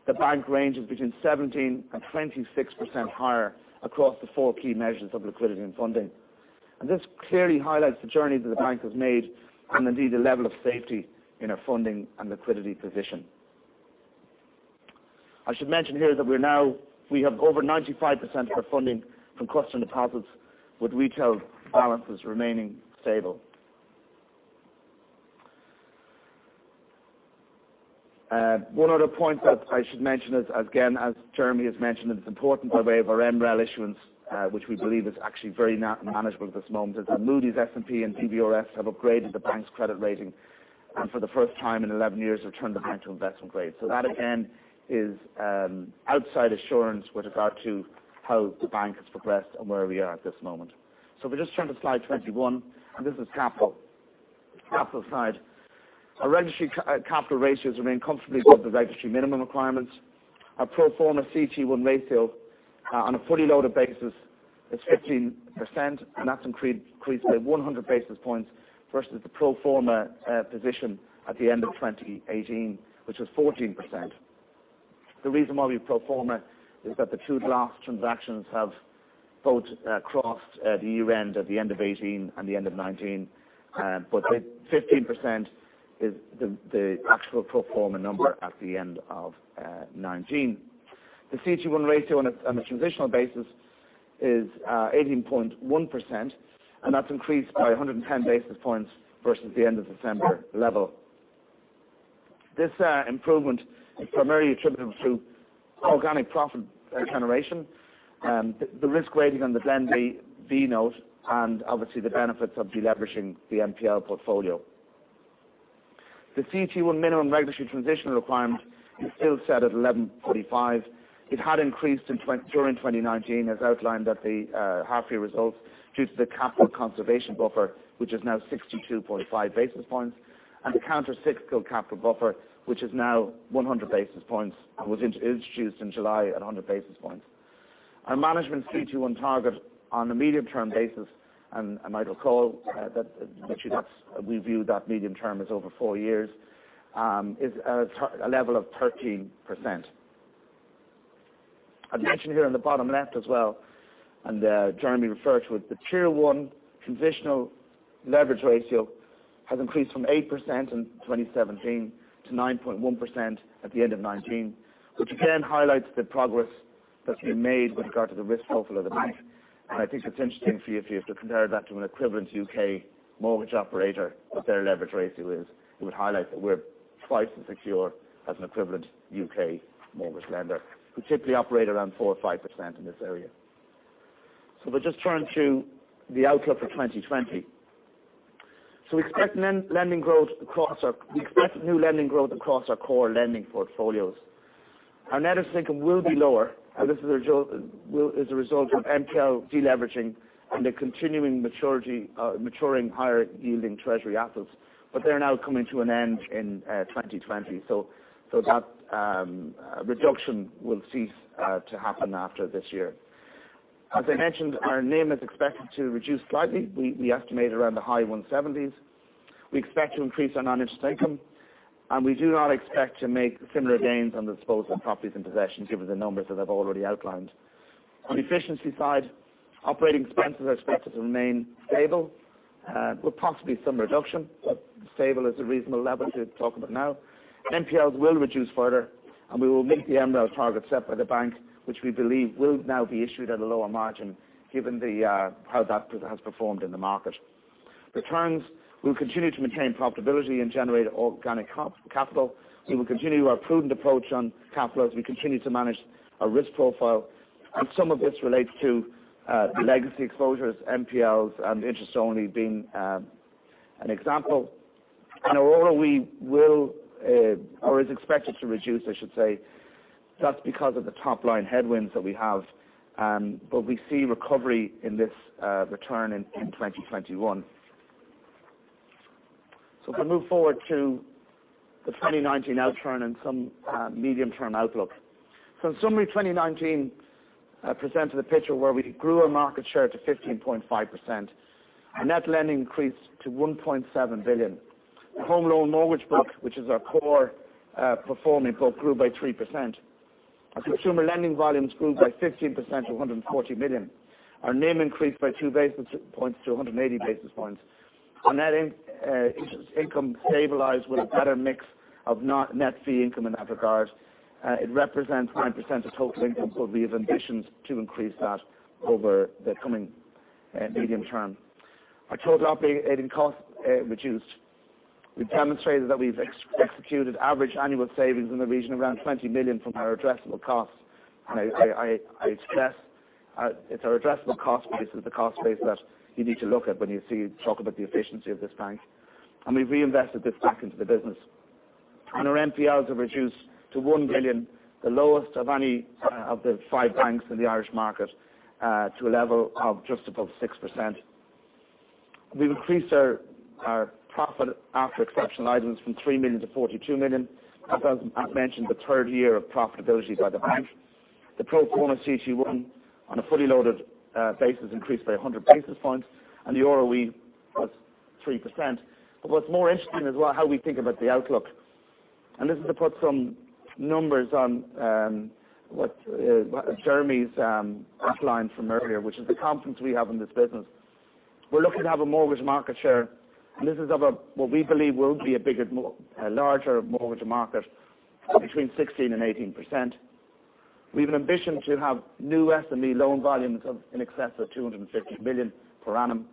the bank ranges between 17% and 26% higher across the four key measures of liquidity and funding. This clearly highlights the journey that the bank has made and indeed the level of safety in our funding and liquidity position. I should mention here that we have over 95% of our funding from customer deposits, with retail balances remaining stable. One other point that I should mention is, again, as Jeremy has mentioned, and it's important by way of our MREL issuance, which we believe is actually very manageable at this moment, is that Moody's, S&P, and DBRS have upgraded the bank's credit rating and for the first time in 11 years have turned the bank to investment grade. That again is outside assurance with regard to how the bank has progressed and where we are at this moment. If we just turn to slide 21, and this is capital side. Our regulatory capital ratios remain comfortably above the regulatory minimum requirements. Our pro forma CET1 ratio on a fully loaded basis is 15%, and that's increased by 100 basis points versus the pro forma position at the end of 2018, which was 14%. The reason why we pro forma is that the two Glas transactions have both crossed the year-end at the end of 2018 and the end of 2019. 15% is the actual pro forma number at the end of 2019. The CET1 ratio on a transitional basis is 18.1%, and that's increased by 110 basis points versus the end of December level. This improvement is primarily attributable to organic profit generation, the risk weighting on the Glas B Note, and obviously the benefits of deleveraging the NPL portfolio. The CET1 minimum regulatory transitional requirement is still set at 11.45%. It had increased during 2019, as outlined at the half-year results, due to the capital conservation buffer, which is now 62.5 basis points, and the countercyclical capital buffer, which is now 100 basis points and was introduced in July at 100 basis points. Our management CET1 target on a medium-term basis, and you might recall that we view that medium term as over four years, is a level of 13%. I've mentioned here on the bottom left as well, Jeremy referred to it, the Tier 1 transitional leverage ratio has increased from 8% in 2017 to 9.1% at the end of 2019, which again highlights the progress that we've made with regard to the risk profile of the bank. I think it's interesting for you, if you were to compare that to an equivalent U.K. mortgage operator, what their leverage ratio is. It would highlight that we're twice as secure as an equivalent U.K. mortgage lender, who typically operate around 4% or 5% in this area. If we just turn to the outlook for 2020. Our net interest income will be lower, and this is a result of NPL deleveraging and the continuing maturing higher-yielding treasury assets, but they're now coming to an end in 2020. That reduction will cease to happen after this year. As I mentioned, our NIM is expected to reduce slightly. We estimate around the high 170s. We expect to increase our non-interest income, and we do not expect to make similar gains on the disposal of properties and possessions, given the numbers that I've already outlined. On the efficiency side, operating expenses are expected to remain stable, with possibly some reduction. Stable is a reasonable level to talk about now. NPLs will reduce further, and we will meet the NPL targets set by the bank, which we believe will now be issued at a lower margin given how that has performed in the market. Returns will continue to maintain profitability and generate organic capital. We will continue our prudent approach on capital as we continue to manage our risk profile. Some of this relates to the legacy exposures, NPLs, and interest only being an example. Our ROE is expected to reduce. That's because of the top-line headwinds that we have. We see recovery in this return in 2021. If we move forward to the 2019 outturn and some medium term outlook. In summary, 2019 presented a picture where we grew our market share to 15.5%. Our net lending increased to 1.7 billion. The home loan mortgage book, which is our core performing book, grew by 3%. Our consumer lending volumes grew by 15% to 140 million. Our NIM increased by two basis points to 180 basis points. Our net interest income stabilized with a better mix of net fee income in that regard. It represents 9% of total income, we have ambitions to increase that over the coming medium term. Our total operating cost reduced. We've demonstrated that we've executed average annual savings in the region around 20 million from our addressable costs. It's our addressable cost base is the cost base that you need to look at when you talk about the efficiency of this bank. We've reinvested this back into the business. Our NPLs have reduced to 1 billion, the lowest of any of the five banks in the Irish market, to a level of just above 6%. We've increased our profit after exceptional items from 3 million to 42 million. That was, as mentioned, the third year of profitability by the bank. The pro forma CET1 on a fully loaded basis increased by 100 basis points, and the ROE was 3%. What's more interesting as well, how we think about the outlook. This is to put some numbers on Jeremy's outline from earlier, which is the confidence we have in this business. We're looking to have a mortgage market share, and this is of what we believe will be a larger mortgage market, between 16% and 18%. We have an ambition to have new SME loan volumes in excess of 250 million per annum.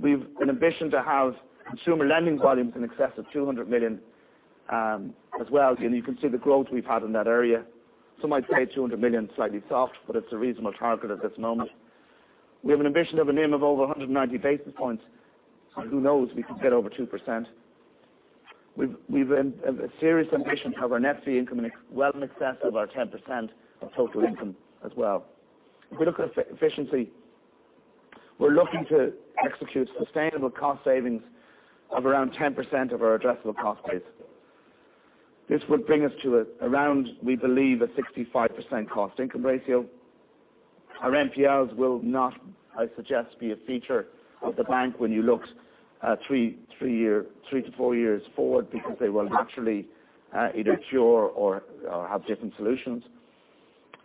We've an ambition to have consumer lending volumes in excess of 200 million as well. You can see the growth we've had in that area. Some might say 200 million is slightly soft, but it's a reasonable target at this moment. We have an ambition of a NIM of over 190 basis points. Who knows, we could get over 2%. We've a serious ambition to have our net fee income in well in excess of our 10% of total income as well. If we look at efficiency, we're looking to execute sustainable cost savings of around 10% of our addressable cost base. This would bring us to around, we believe, a 65% cost income ratio. Our NPLs will not, I suggest, be a feature of the bank when you look at three to four years forward, because they will naturally either cure or have different solutions.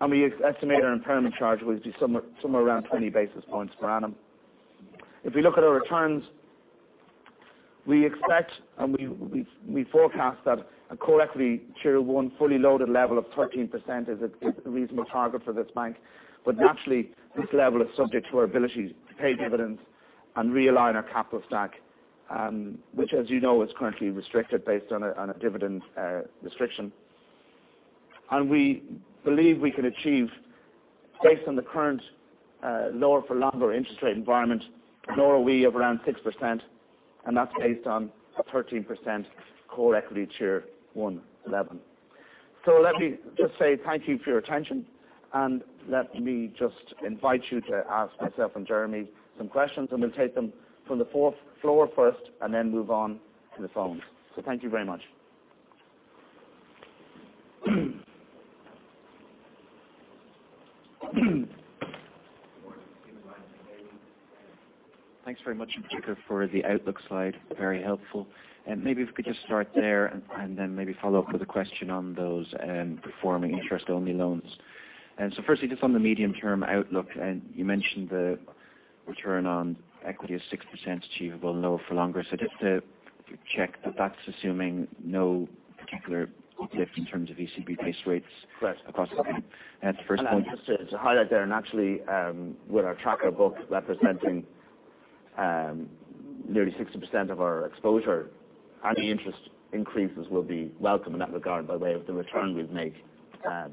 We estimate our impairment charge will be somewhere around 20 basis points per annum. If we look at our returns, we expect and we forecast that a core equity tier 1 fully loaded level of 13% is a reasonable target for this bank. Naturally, this level is subject to our ability to pay dividends and realign our capital stack, which as you know, is currently restricted based on a dividend restriction. We believe we can achieve, based on the current lower for longer interest rate environment, an ROE of around 6%, and that's based on a 13% core equity Tier 1 level. Let me just say thank you for your attention, and let me just invite you to ask myself and Jeremy some questions, and we'll take them from the floor first, and then move on to the phone. Thank you very much. Thanks very much, in particular for the outlook slide. Very helpful. Maybe if we could just start there, and then maybe follow up with a question on those performing interest-only loans. Firstly, just on the medium-term outlook, and you mentioned the return on equity is 6% achievable and lower for longer. Just to check that that's assuming no particular lift in terms of ECB base rates across the board. That's the first point. Just to highlight there, actually, with our tracker book representing nearly 60% of our exposure, any interest increases will be welcome in that regard by way of the return we've made,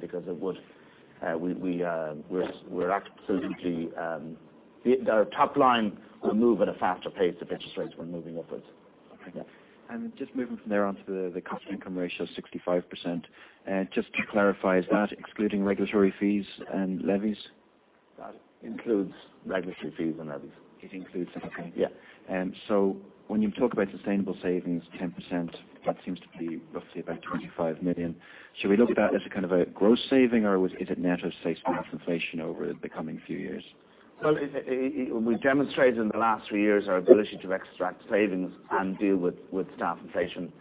because our top line will move at a faster pace if interest rates were moving upwards. Okay. Just moving from there on to the cost income ratio of 65%. Just to clarify, is that excluding regulatory fees and levies? That includes regulatory fees and levies. It includes them, okay. Yeah. When you talk about sustainable savings, 10%, that seems to be roughly about 25 million. Should we look at that as a kind of a gross saving, or is it net of say staff inflation over the coming few years? Well, we've demonstrated in the last three years our ability to extract savings and deal with staff inflation.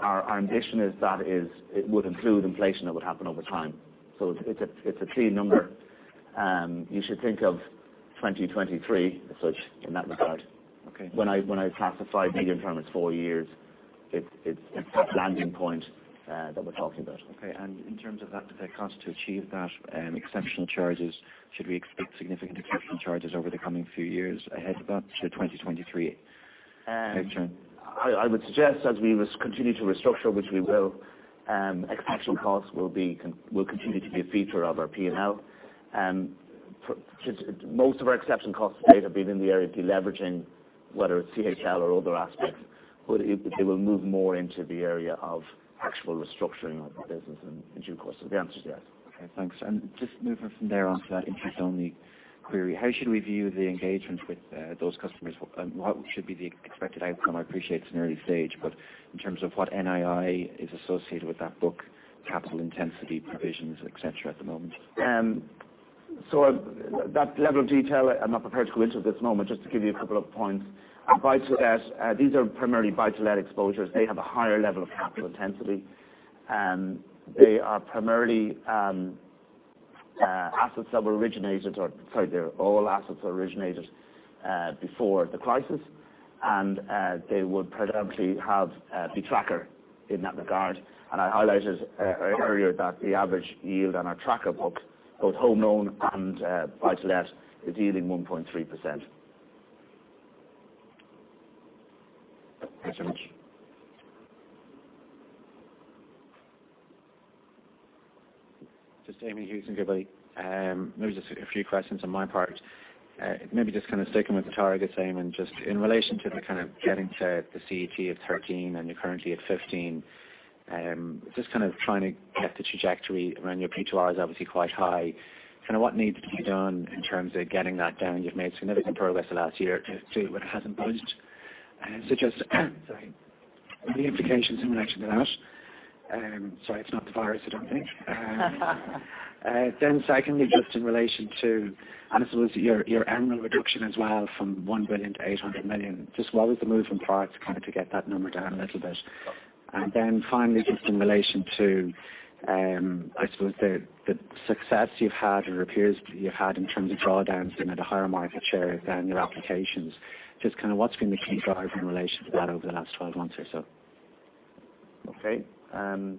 Our ambition is that it would include inflation that would happen over time. It's a key number. You should think of 2023 as such in that regard. Okay. When I class the EUR 5 billion term, it's four years. It's that landing point that we're talking about. Okay. In terms of that, the cost to achieve that, exceptional charges, should we expect significant exceptional charges over the coming few years ahead of that to 2023 picture? I would suggest as we continue to restructure, which we will, exceptional costs will continue to be a feature of our P&L. Most of our exceptional costs to date have been in the area of de-leveraging, whether it's CHL or other aspects. It will move more into the area of actual restructuring of the business in due course. The answer is yes. Okay, thanks. Just moving from there on to that interest-only query, how should we view the engagement with those customers? What should be the expected outcome? I appreciate it's an early stage, but in terms of what NII is associated with that book, capital intensity, provisions, et cetera, at the moment. That level of detail, I'm not prepared to go into at this moment. Just to give you a couple of points. These are primarily buy-to-let exposures. They have a higher level of capital intensity, and they are primarily all assets that were originated before the crisis, and they will predominantly have the tracker in that regard. I highlighted earlier that the average yield on our tracker book, both home loan and buy-to-let, is yielding 1.3%. Thanks so much. Just Eamonn Hughes, Goodbody. Just a few questions on my part. Just kind of sticking with the target, Eamonn, just in relation to the kind of getting to the CET of 13, you're currently at 15. Just kind of trying to get the trajectory around your P2R is obviously quite high. What needs to be done in terms of getting that down? You've made significant progress the last year to it hasn't budged. Sorry. The implications in relation to that. Sorry, it's not the virus, I don't think. Secondly, just in relation to, I suppose your MREL reduction as well from 1 billion to 800 million. What was the move from prior to kind of to get that number down a little bit? Finally, just in relation to, I suppose the success you've had, or appears you've had, in terms of drawdowns and at a higher market share than your applications. What's been the key driver in relation to that over the last 12 months or so? Okay. Do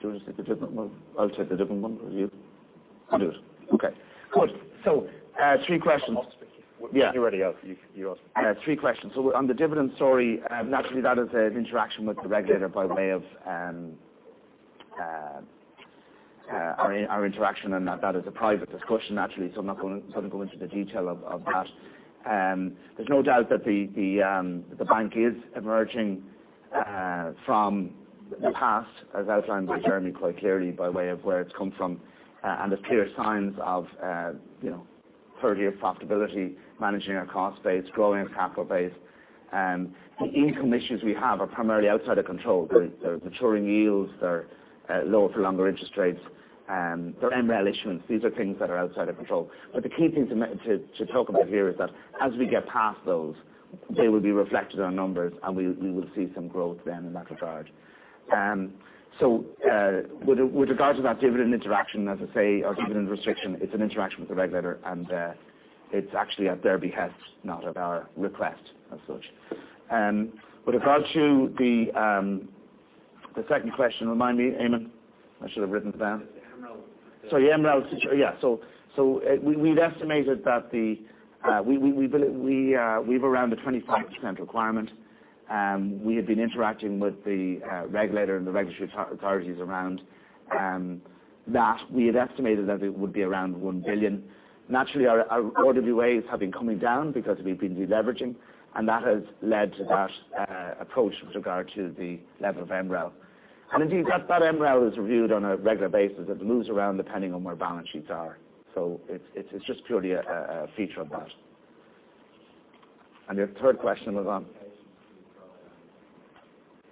you want to take the dividend one? I'll take the dividend one. Will you? I'll do it. Okay. Good. Three questions. I'll speak. Yeah. You're already up. You ask them. Three questions. On the dividend story, naturally that is an interaction with the regulator by way of our interaction, and that is a private discussion, naturally. I'm not going to go into the detail of that. There's no doubt that the bank is emerging from the past, as outlined by Jeremy quite clearly by way of where it's come from. There's clear signs of third year profitability, managing our cost base, growing our capital base. The income issues we have are primarily outside of control. They're maturing yields. They're lower-for-longer interest rates. They're MREL issuance. These are things that are outside of control. The key thing to talk about here is that as we get past those, they will be reflected in our numbers, and we will see some growth then in that regard. With regard to that dividend interaction, as I say, or dividend restriction, it's an interaction with the regulator, and it's actually at their behest, not at our request as such. With regard to the second question, remind me, Eamonn. I should have written them down. It's the MREL. Sorry, the MREL. Yeah. We've estimated that we have around a 25% requirement. We have been interacting with the regulator and the regulatory authorities around that. We had estimated that it would be around 1 billion. Naturally, our RWAs have been coming down because we've been de-leveraging, and that has led to that approach with regard to the level of MREL. Indeed, that MREL is reviewed on a regular basis. It moves around depending on where balance sheets are. It's just purely a feature of that. Your third question was on? Applications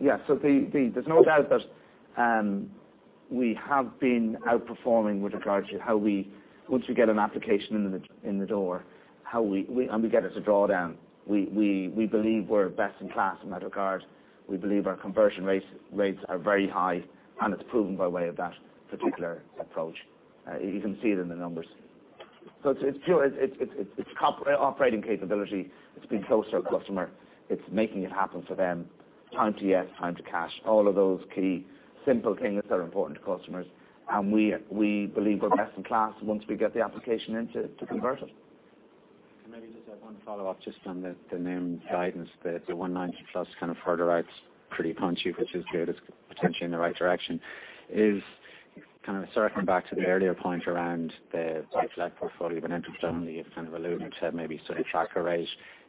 to your drawdowns. Yeah. There's no doubt that we have been outperforming with regards to how once we get an application in the door, and we get it to drawdown. We believe we're best in class in that regard. We believe our conversion rates are very high, and it's proven by way of that particular approach. You can see it in the numbers. It's operating capability. It's being close to our customer. It's making it happen for them. Time to yes, time to cash, all of those key simple things that are important to customers, and we believe we're best in class once we get the application in to convert it. Can maybe just add one follow-up just on the NIM guidance. The 190+ kind of further out's pretty punchy, which is good. It's potentially in the right direction. Is kind of circling back to the earlier point around the buy-to-let portfolio, but interest-only, you've kind of alluded to maybe sort of tracker rate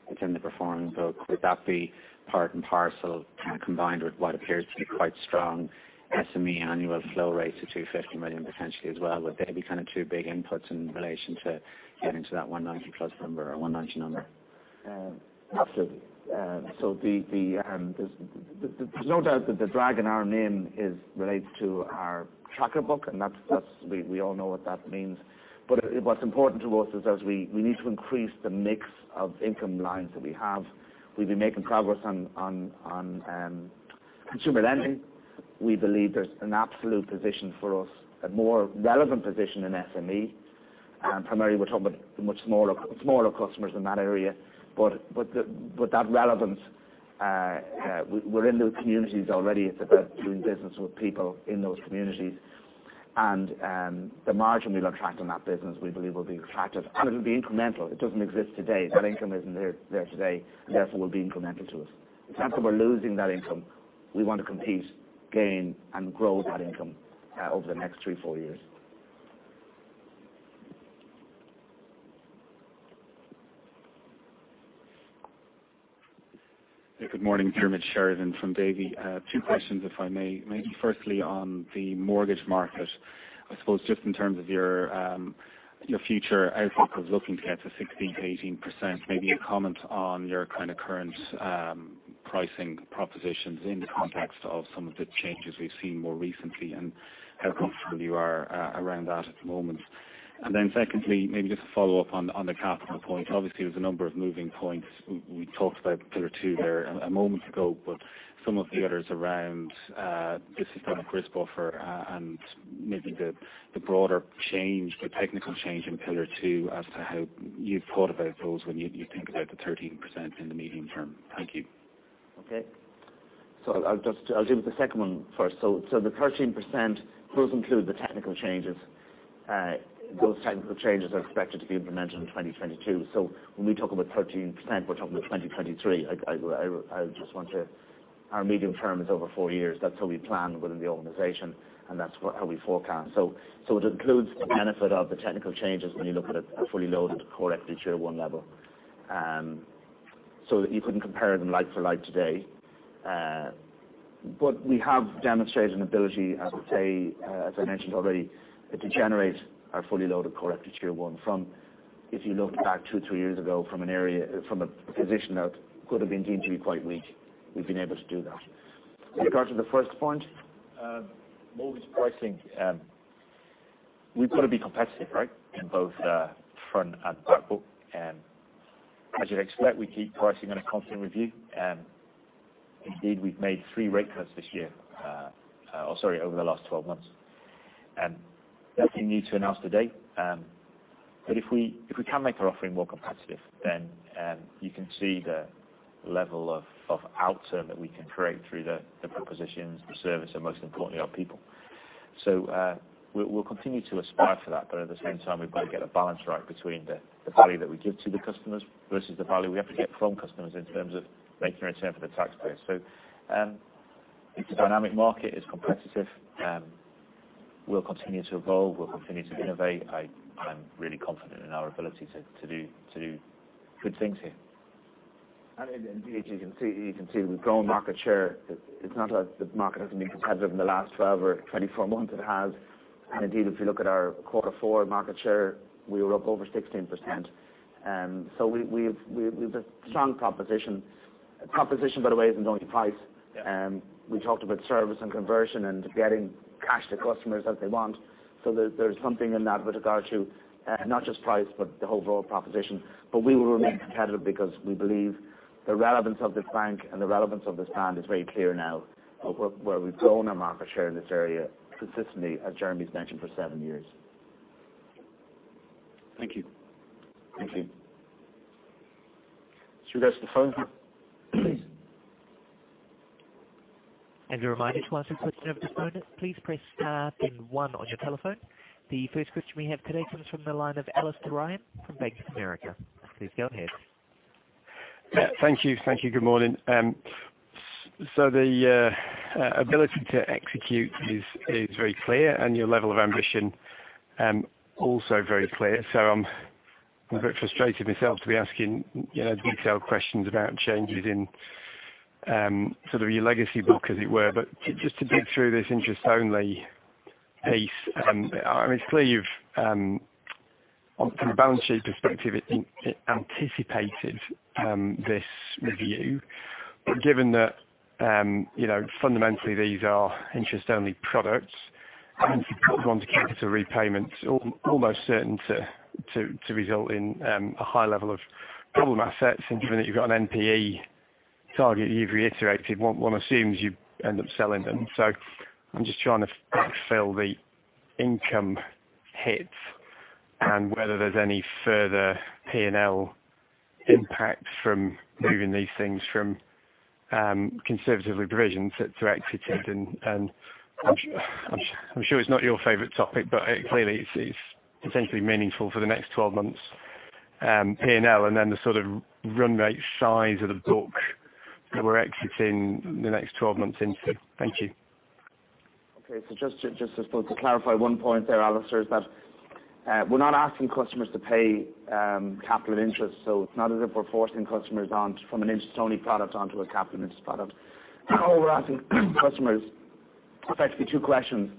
within the performing book. Would that be part and parcel kind of combined with what appears to be quite strong SME annual flow rates of 250 million potentially as well? Would they be kind of two big inputs in relation to getting to that 190-plus number or 190 number? Absolutely. There's no doubt that the drag in our NIM relates to our tracker book, and we all know what that means. What's important to us is we need to increase the mix of income lines that we have. We've been making progress on consumer lending. We believe there's an absolute position for us, a more relevant position in SME. Primarily, we're talking about the much smaller customers in that area. That relevance, we're in those communities already. It's about doing business with people in those communities. The margin we'll attract on that business, we believe will be attractive. It'll be incremental. It doesn't exist today. That income isn't there today, and therefore, will be incremental to us. It's not that we're losing that income. We want to compete, gain, and grow that income over the next three to four years. Good morning. Diarmaid Sheridan from Davy. Two questions, if I may. Maybe firstly on the mortgage market, I suppose, just in terms of your future outlook of looking to get to 16%-18%. Maybe a comment on your kind of current pricing propositions in the context of some of the changes we've seen more recently, and how comfortable you are around that at the moment. Then secondly, maybe just to follow up on the capital point. Obviously, there's a number of moving points. We talked about Pillar 2 there a moment ago. Some of the others around the systemic risk buffer, and maybe the broader change, the technical change in Pillar 2 as to how you've thought about those when you think about the 13% in the medium term. Thank you. Okay. I'll deal with the second one first. The 13% does include the technical changes. Those technical changes are expected to be implemented in 2022. When we talk about 13%, we're talking about 2023. Our medium term is over four years. That's how we plan within the organization, and that's how we forecast. It includes the benefit of the technical changes when you look at it at fully loaded core equity Tier 1 level. You couldn't compare them like for like today. We have demonstrated an ability, as I mentioned already, to generate our fully loaded core equity Tier 1 from, if you looked back two, three years ago, from a position that could have been deemed to be quite weak. We've been able to do that. With regard to the first point, mortgage pricing. We've got to be competitive, right? In both the front and back book. As you'd expect, we keep pricing on a constant review. Indeed, we've made three rate cuts this year, or sorry, over the last 12 months. Nothing new to announce today. If we can make our offering more competitive, you can see the level of outturn that we can create through the propositions, the service, and most importantly, our people. We'll continue to aspire for that, but at the same time, we've got to get a balance right between the value that we give to the customers versus the value we have to get from customers in terms of making a return for the taxpayers. It's a dynamic market, it's competitive. We'll continue to evolve. We'll continue to innovate. I'm really confident in our ability to do good things here. Indeed, you can see we've grown market share. It's not like the market hasn't been competitive in the last 12 or 24 months. It has. Indeed, if you look at our quarter four market share, we were up over 16%. We've a strong proposition. A proposition, by the way, isn't only price. Yeah. We talked about service and conversion and getting cash to customers as they want. There's something in that with regard to not just price, but the overall proposition. We will remain competitive because we believe the relevance of the bank and the relevance of PTSB is very clear now. Where we've grown our market share in this area consistently, as Jeremy's mentioned, for seven years. Thank you. Thank you. Should we go to the phone here? A reminder to ask a question over the phone, please press star then one on your telephone. The first question we have today comes from the line of Alastair Ryan from Bank of America. Please go ahead. Thank you. Good morning. The ability to execute is very clear, and your level of ambition also very clear. I'm a bit frustrated myself to be asking detailed questions about changes in sort of your legacy book, as it were. Just to dig through this interest-only piece. It's clear you've, from a balance sheet perspective, anticipated this review. Given that fundamentally these are interest-only products, and if you put them onto capital repayment, it's almost certain to result in a high level of problem assets. Given that you've got an NPE target you've reiterated, one assumes you end up selling them. I'm just trying to fulfill the income hits and whether there's any further P&L impact from moving these things from conservative provisions that are exited. I'm sure it's not your favorite topic, but clearly it's essentially meaningful for the next 12 months' P&L, and then the sort of run rate size of the book that we're exiting the next 12 months into. Thank you. Okay. Just to clarify one point there, Alastair, is that we're not asking customers to pay capital interest. It's not as if we're forcing customers from an interest-only product onto a capital interest product. All we're asking customers effectively two questions.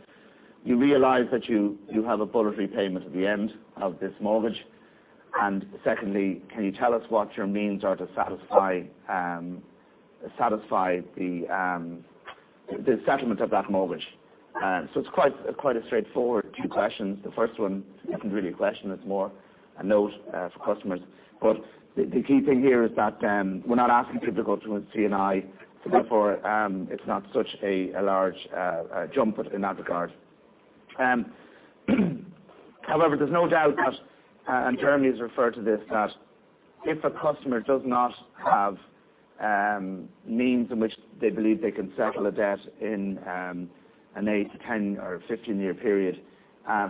You realize that you have a bullet repayment at the end of this mortgage. Secondly, can you tell us what your means are to satisfy the settlement of that mortgage? It's quite straightforward, two questions. The first one isn't really a question, it's more a note for customers. The key thing here is that we're not asking people to go through a C&I. Therefore, it's not such a large jump in that regard. However, there's no doubt that, and Jeremy's referred to this, that if a customer does not have means in which they believe they can settle a debt in an 8 to 10 or 15-year period,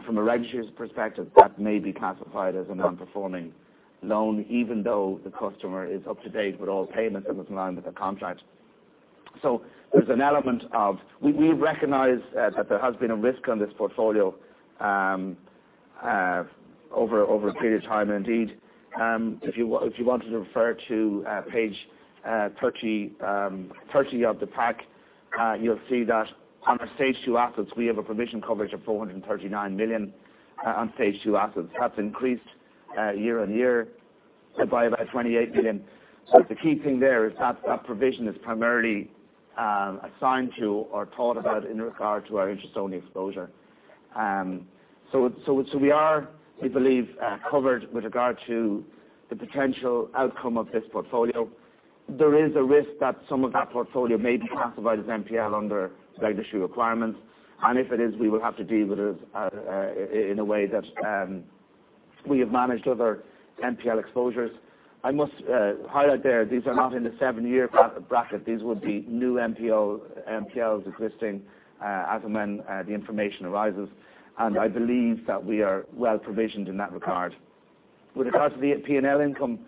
from a regulator's perspective, that may be classified as a non-performing loan, even though the customer is up to date with all payments and is in line with the contract. There's an element of We recognize that there has been a risk on this portfolio over a period of time. Indeed, if you wanted to refer to page 30 of the pack, you'll see that on our stage 2 assets, we have a provision coverage of 439 million on Stage 2 assets. That's increased year-on-year by about 28 million. The key thing there is that that provision is primarily assigned to or thought about in regard to our interest-only exposure. We are, we believe, covered with regard to the potential outcome of this portfolio. There is a risk that some of that portfolio may be classified as NPL under regulatory requirements. If it is, we will have to deal with it in a way that we have managed other NPL exposures. I must highlight there, these are not in the seven-year bracket. These would be new NPLs existing as and when the information arises. I believe that we are well provisioned in that regard. With regard to the P&L income,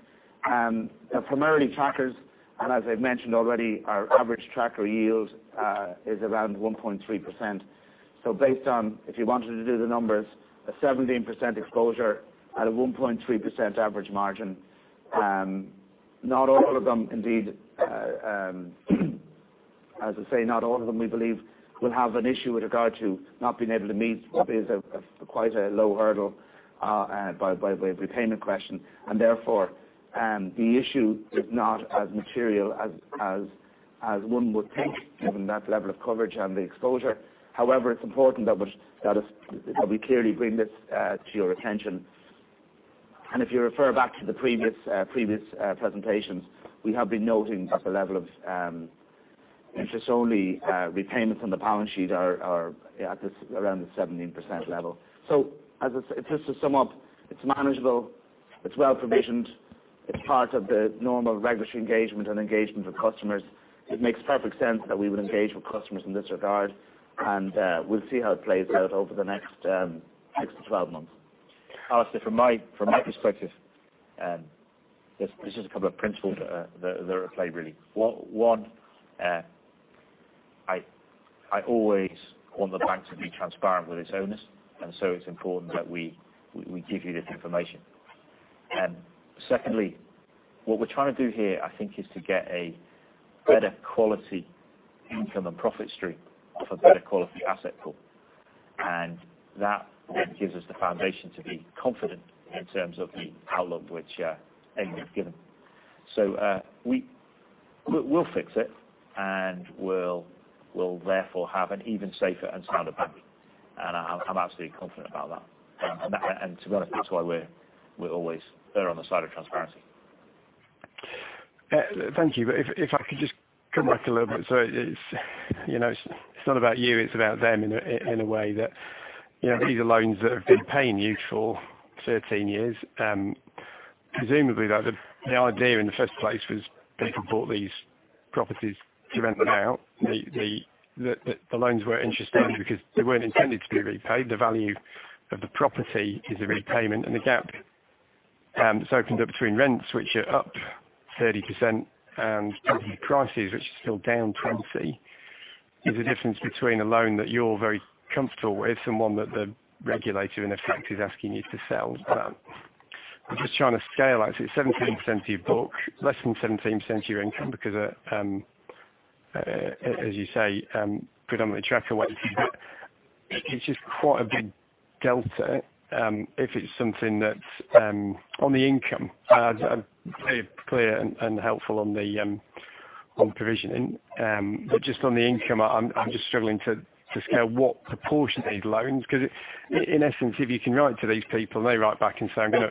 they are primarily trackers. As I have mentioned already, our average tracker yield is around 1.3%. Based on, if you wanted to do the numbers, a 17% exposure at a 1.3% average margin. As I say, not all of them we believe will have an issue with regard to not being able to meet what is quite a low hurdle by way of repayment question. Therefore, the issue is not as material as one would think given that level of coverage and the exposure. However, it's important that we clearly bring this to your attention. If you refer back to the previous presentations, we have been noting that the level of interest-only repayments on the balance sheet are at around the 17% level. Just to sum up, it's manageable. It's well provisioned. It's part of the normal regulatory engagement and engagement with customers. It makes perfect sense that we would engage with customers in this regard. We'll see how it plays out over the next six to 12 months. Alastair, from my perspective, there's just a couple of principles that are at play really. One, I always want the bank to be transparent with its owners. It's important that we give you this information. Secondly, what we're trying to do here, I think, is to get a better quality income and profit stream for better quality asset pool. That gives us the foundation to be confident in terms of the outlook which Eamonn has given. We'll fix it, and we'll therefore have an even safer and sounder bank. I'm absolutely confident about that. To be honest, that's why we're always err on the side of transparency. Thank you. If I could just come back a little bit. It's not about you, it's about them in a way. These are loans that have been paying you for 13 years. Presumably, the idea in the first place was people bought these properties to rent them out. The loans were interest-only because they weren't intended to be repaid. The value of the property is a repayment and the gap that's opened up between rents, which are up 30%, and property prices, which are still down 20%, is the difference between a loan that you're very comfortable with and one that the regulator, in effect, is asking you to sell. I'm just trying to scale out. It's 17% of your book, less than 17% of your income because, as you say, predominantly tracker lending. It's just quite a big delta if it's something that's on the income. Clear and helpful on provisioning. Just on the income, I'm just struggling to scale what proportion of these loans. In essence, if you can write to these people and they write back and say, "I'm going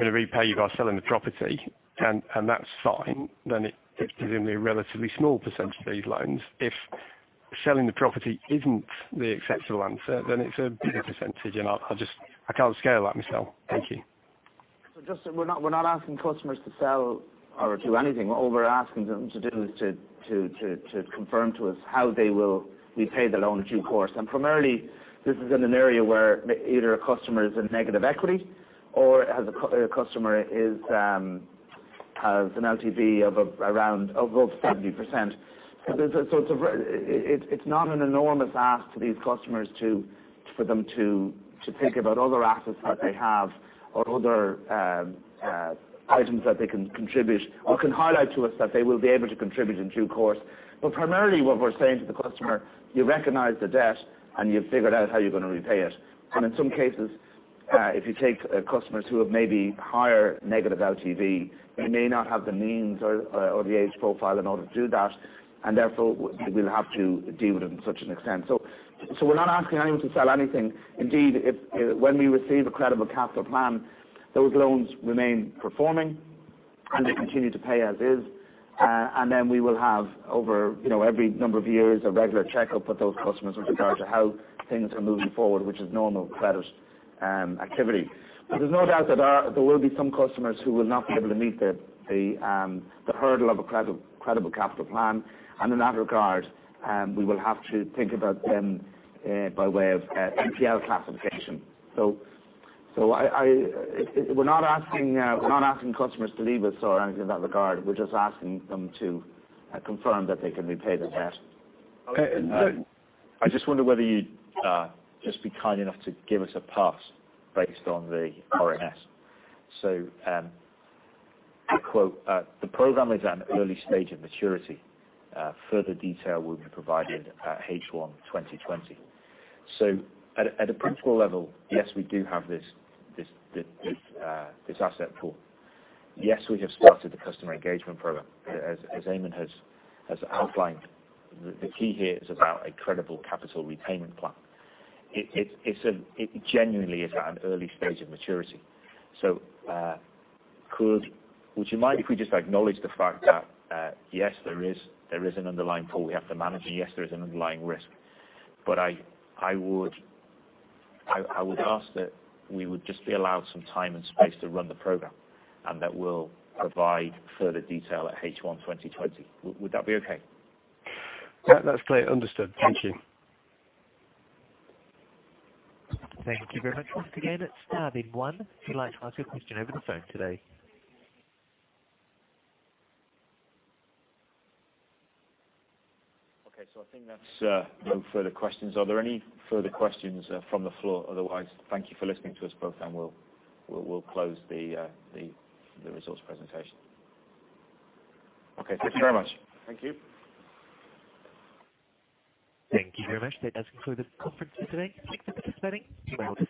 to repay you by selling the property," and that's fine, then it's presumably a relatively small % of these loans. If selling the property isn't the acceptable answer, then it's a bigger percentage, and I can't scale that myself. Thank you. Alastair, we're not asking customers to sell or do anything. All we're asking them to do is to confirm to us how they will repay the loan in due course. Primarily, this is in an area where either a customer is in negative equity or a customer has an LTV of above 70%. It's not an enormous ask to these customers for them to think about other assets that they have or other items that they can contribute or can highlight to us that they will be able to contribute in due course. Primarily what we're saying to the customer, you recognize the debt, and you've figured out how you're going to repay it. In some cases, if you take customers who have maybe higher negative LTV, they may not have the means or the age profile in order to do that, and therefore we'll have to deal with it in such an extent. We're not asking anyone to sell anything. Indeed, when we receive a credible capital plan, those loans remain performing and they continue to pay as is. Then we will have over every number of years, a regular checkup with those customers with regard to how things are moving forward, which is normal credit activity. There's no doubt that there will be some customers who will not be able to meet the hurdle of a credible capital plan. In that regard, we will have to think about them by way of NPL classification. We're not asking customers to leave us or anything in that regard. We're just asking them to confirm that they can repay the debt. I just wonder whether you'd just be kind enough to give us a path based on the RNS. To quote, "The program is at an early stage of maturity. Further detail will be provided at H1 2020." At a practical level, yes, we do have this asset tool. Yes, we have started the customer engagement program. As Eamonn has outlined, the key here is about a credible capital repayment plan. It genuinely is at an early stage of maturity. Would you mind if we just acknowledge the fact that, yes, there is an underlying pool we have to manage, and yes, there is an underlying risk. I would ask that we would just be allowed some time and space to run the program, and that we'll provide further detail at H1 2020. Would that be okay? Yeah. That's clear. Understood. Thank you. Thank you very much. Once again, star bid one, if you'd like to ask a question over the phone today. Okay. I think that's no further questions. Are there any further questions from the floor? Otherwise, thank you for listening to us both, and we'll close the results presentation. Okay. Thank you very much. Thank you. Thank you very much. That does conclude the conference for today. Thanks for participating. You may all disconnect.